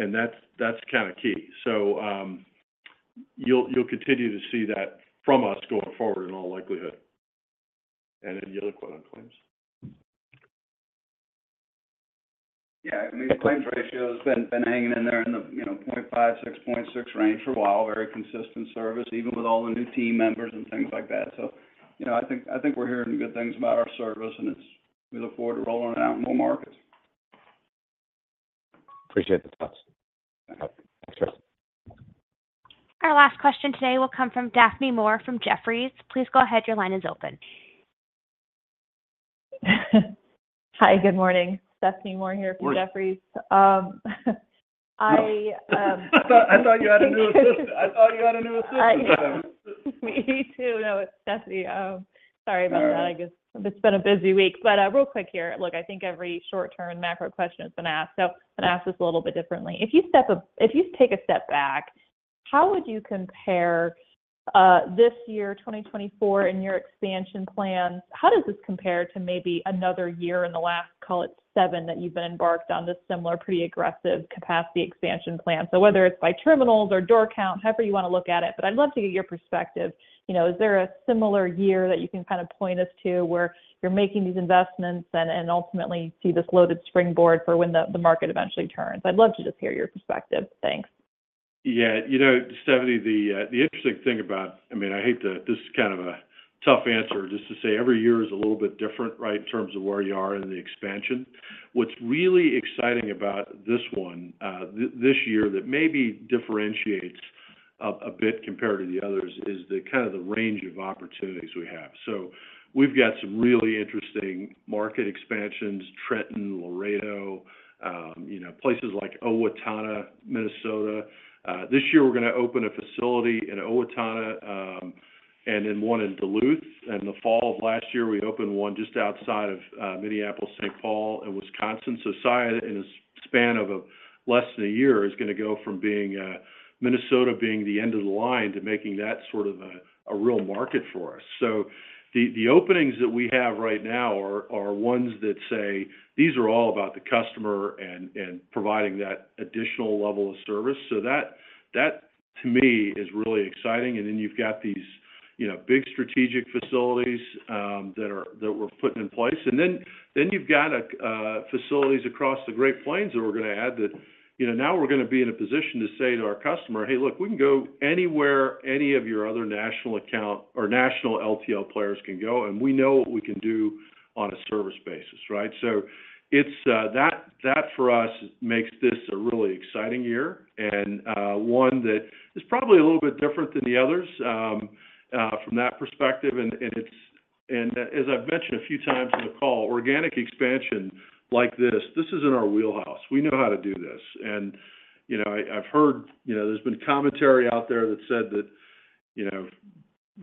Speaker 3: And that's, that's kind of key. So, you'll, you'll continue to see that from us going forward in all likelihood. And any other quote on claims?
Speaker 2: Yeah, I mean, the claims ratio has been hanging in there in the, you know, 0.56-0.6 range for a while. Very consistent service, even with all the new team members and things like that. So, you know, I think we're hearing good things about our service, and it's, we look forward to rolling it out in more markets.
Speaker 17: Appreciate the thoughts. Okay, thanks, guys.
Speaker 1: Our last question today will come from Daphne Moore, from Jefferies. Please go ahead. Your line is open.
Speaker 18: Hi, good morning. Stephanie Moore here from Jefferies.
Speaker 3: Good-
Speaker 18: Um, I, um-
Speaker 3: I thought you had a new assistant.
Speaker 18: Me too. No, it's Stephanie. Sorry about that.
Speaker 3: Yeah.
Speaker 18: I guess it's been a busy week, but real quick here. Look, I think every short-term macro question has been asked, so I'm going to ask this a little bit differently. If you take a step back, how would you compare this year, 2024, and your expansion plans? How does this compare to maybe another year in the last, call it seven, that you've been embarked on this similar, pretty aggressive capacity expansion plan? So whether it's by terminals or door count, however you want to look at it, but I'd love to get your perspective. You know, is there a similar year that you can kind of point us to, where you're making these investments and, and ultimately see this loaded springboard for when the, the market eventually turns? I'd love to just hear your perspective. Thanks.
Speaker 3: Yeah. You know, Stephanie, the interesting thing about - I mean, I hate to... This is kind of a tough answer, just to say every year is a little bit different, right? In terms of where you are in the expansion. What's really exciting about this one, this year, that maybe differentiates a bit compared to the others, is the kind of the range of opportunities we have. So we've got some really interesting market expansions, Trenton, Laredo, you know, places like Owatonna, Minnesota. This year, we're going to open a facility in Owatonna, and then one in Duluth. In the fall of last year, we opened one just outside of Minneapolis, St. Paul, and Wisconsin. So Saia, in a span of less than a year, is going to go from being Minnesota, being the end of the line, to making that sort of a real market for us. So the openings that we have right now are ones that say, these are all about the customer and providing that additional level of service. So that to me is really exciting. And then you've got these, you know, big strategic facilities that we're putting in place. And then you've got facilities across the Great Plains that we're gonna add that, you know, now we're gonna be in a position to say to our customer, "Hey, look, we can go anywhere, any of your other national account or national LTL players can go, and we know what we can do on a service basis," right? So it's that for us makes this a really exciting year and one that is probably a little bit different than the others from that perspective. And as I've mentioned a few times on the call, organic expansion like this is in our wheelhouse. We know how to do this. And you know, I've heard you know there's been commentary out there that said that you know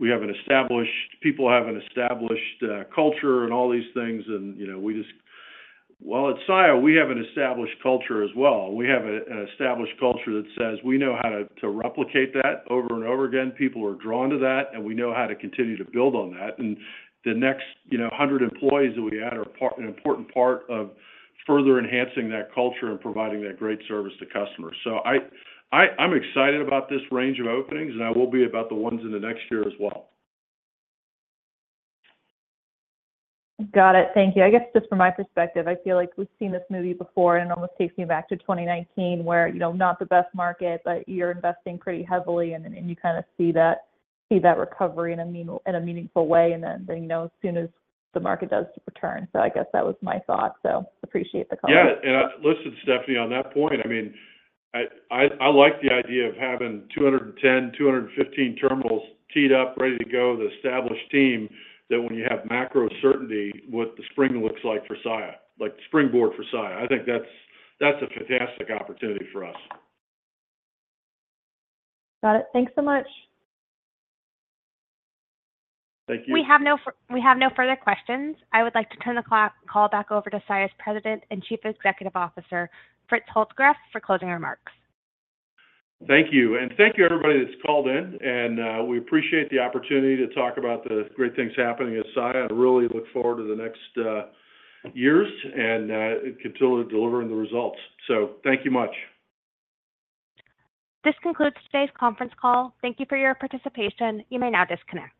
Speaker 3: we have an established, people have an established culture and all these things, and you know we just... Well, at Saia, we have an established culture as well. We have an established culture that says we know how to replicate that over and over again. People are drawn to that, and we know how to continue to build on that. The next, you know, hundred employees that we add are an important part of further enhancing that culture and providing that great service to customers. So I, I, I'm excited about this range of openings, and I will be about the ones in the next year as well.
Speaker 18: Got it. Thank you. I guess just from my perspective, I feel like we've seen this movie before, and it almost takes me back to 2019, where, you know, not the best market, but you're investing pretty heavily, and then, and you kind of see that recovery in a meaningful way, and then, then, you know, as soon as the market does to return. So I guess that was my thought. So appreciate the comment.
Speaker 3: Yeah. And, listen, Stephanie, on that point, I mean, I like the idea of having 210-215 terminals teed up, ready to go, the established team, that when you have macro certainty, what the spring looks like for Saia, like springboard for Saia. I think that's a fantastic opportunity for us.
Speaker 18: Got it. Thanks so much.
Speaker 3: Thank you.
Speaker 1: We have no further questions. I would like to turn the call back over to Saia's President and Chief Executive Officer, Fritz Holzgrefe, for closing remarks.
Speaker 3: Thank you. Thank you, everybody that's called in, and we appreciate the opportunity to talk about the great things happening at Saia. I really look forward to the next years and continue delivering the results. Thank you much.
Speaker 1: This concludes today's conference call. Thank you for your participation. You may now disconnect.